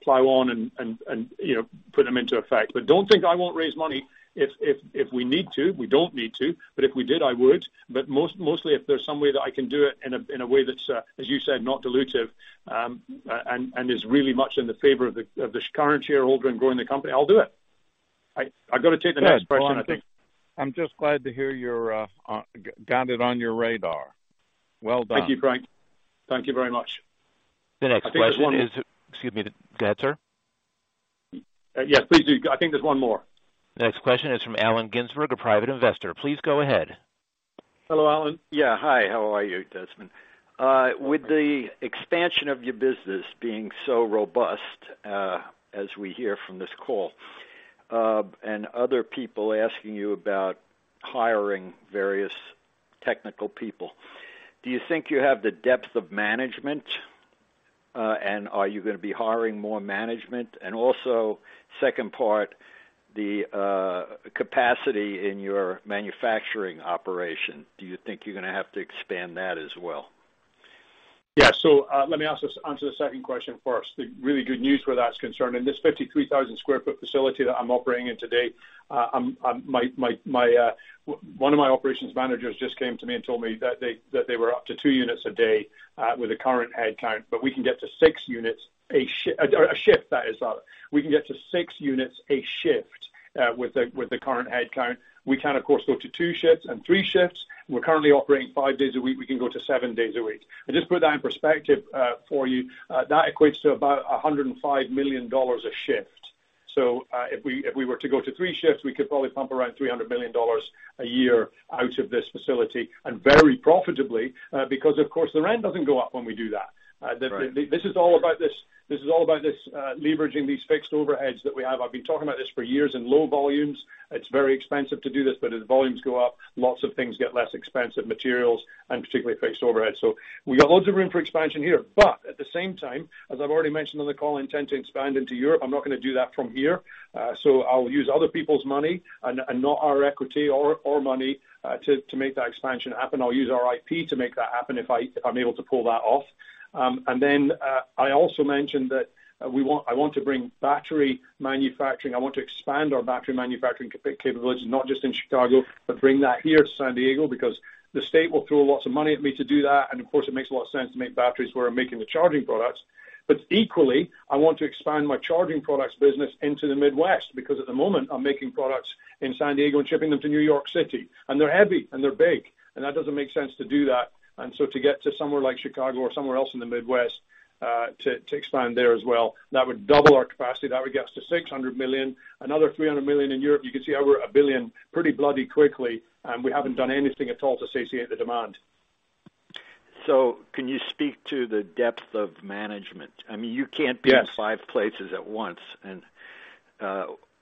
plow on and, you know, put them into effect. Don't think I won't raise money if we need to. We don't need to, but if we did, I would. Mostly if there's some way that I can do it in a way that's, as you said, not dilutive, and is really much in the favor of the current shareholder in growing the company, I'll do it. I gotta take the next question. I think. Yes. Well, I'm just glad to hear you've got it on your radar. Well done. Thank you, Frank. Thank you very much. The next question is. I think there's one more. Excuse me, Desmond Wheatley? Yes, please do. I think there's one more. Next question is from Alan Ginsberg, a private investor. Please go ahead. Hello, Alan. Yeah, hi. How are you, Desmond? With the expansion of your business being so robust, as we hear from this call, and other people asking you about hiring various technical people, do you think you have the depth of management? Are you gonna be hiring more management? Also second part, the capacity in your manufacturing operation, do you think you're gonna have to expand that as well? Yeah. Let me answer the second question first. The really good news where that's concerned, in this 53,000 sq ft facility that I'm operating in today, one of my operations managers just came to me and told me that they were up to 2 units a day with the current headcount, but we can get to 6 units a shift, that is. We can get to 6 units a shift with the current headcount. We can of course go to two shifts and three shifts. We're currently operating five days a week. We can go to seven days a week. Just put that in perspective for you, that equates to about $105 million a shift. If we were to go to three shifts, we could probably pump around $300 million a year out of this facility and very profitably, because of course the rent doesn't go up when we do that. Right. This is all about leveraging these fixed overheads that we have. I've been talking about this for years in low volumes. It's very expensive to do this, but as volumes go up, lots of things get less expensive, materials and particularly fixed overheads. We got loads of room for expansion here. At the same time, as I've already mentioned on the call, I intend to expand into Europe. I'm not gonna do that from here. I'll use other people's money and not our equity or money to make that expansion happen. I'll use our IP to make that happen if I'm able to pull that off. I also mentioned that I want to bring battery manufacturing. I want to expand our battery manufacturing capability, not just in Chicago, but bring that here to San Diego because the state will throw lots of money at me to do that. Of course it makes a lot of sense to make batteries where I'm making the charging products. Equally, I want to expand my charging products business into the Midwest, because at the moment I'm making products in San Diego and shipping them to New York City, and they're heavy and they're big, and that doesn't make sense to do that. To get to somewhere like Chicago or somewhere else in the Midwest, to expand there as well, that would double our capacity. That would get us to $600 million, another $300 million in Europe. You can see over $1 billion pretty bloody quickly. We haven't done anything at all to satiate the demand. Can you speak to the depth of management? I mean, you can't- Yes. be in five places at once.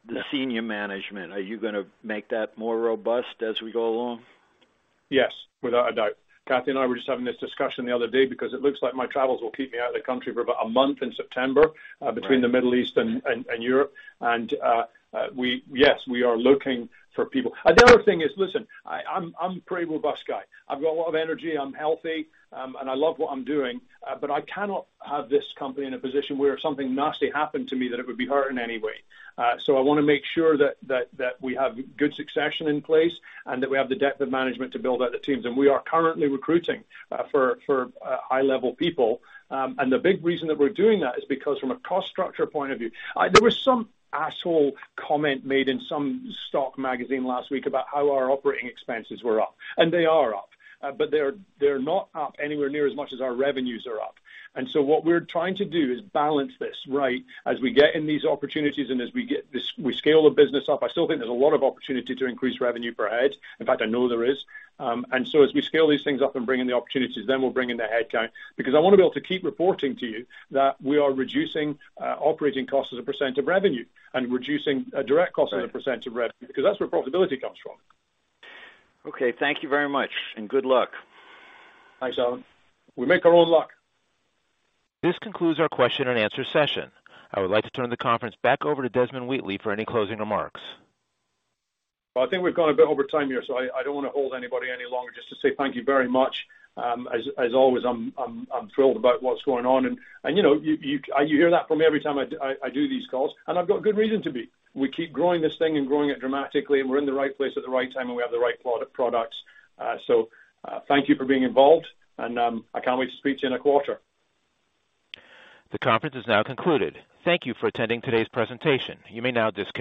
The senior management, are you gonna make that more robust as we go along? Yes, without a doubt. Kathy and I were just having this discussion the other day because it looks like my travels will keep me out of the country for about a month in September. Right. between the Middle East and Europe. Yes, we are looking for people. Another thing is, listen, I'm a pretty robust guy. I've got a lot of energy. I'm healthy, and I love what I'm doing. But I cannot have this company in a position where something nasty happened to me that it would be hurt in any way. So I wanna make sure that we have good succession in place and that we have the depth of management to build out the teams. We are currently recruiting for high level people. The big reason that we're doing that is because from a cost structure point of view. There was some asshole comment made in some stock magazine last week about how our operating expenses were up, and they are up, but they're not up anywhere near as much as our revenues are up. What we're trying to do is balance this, right? As we get in these opportunities and as we get this, we scale the business up, I still think there's a lot of opportunity to increase revenue per head. In fact, I know there is. As we scale these things up and bring in the opportunities, then we'll bring in the headcount, because I wanna be able to keep reporting to you that we are reducing operating costs as a percent of revenue and reducing direct costs as a percent of revenue, because that's where profitability comes from. Okay. Thank you very much and good luck. Thanks, Alan. We make our own luck. This concludes our question-and-answer session. I would like to turn the conference back over to Desmond Wheatley for any closing remarks. I think we've gone a bit over time here, so I don't wanna hold anybody any longer just to say thank you very much. As always, I'm thrilled about what's going on and you know, you hear that from me every time I do these calls and I've got good reason to be. We keep growing this thing and growing it dramatically and we're in the right place at the right time and we have the right products. So thank you for being involved and I can't wait to speak to you in a quarter. The conference is now concluded. Thank you for attending today's presentation. You may now disconnect.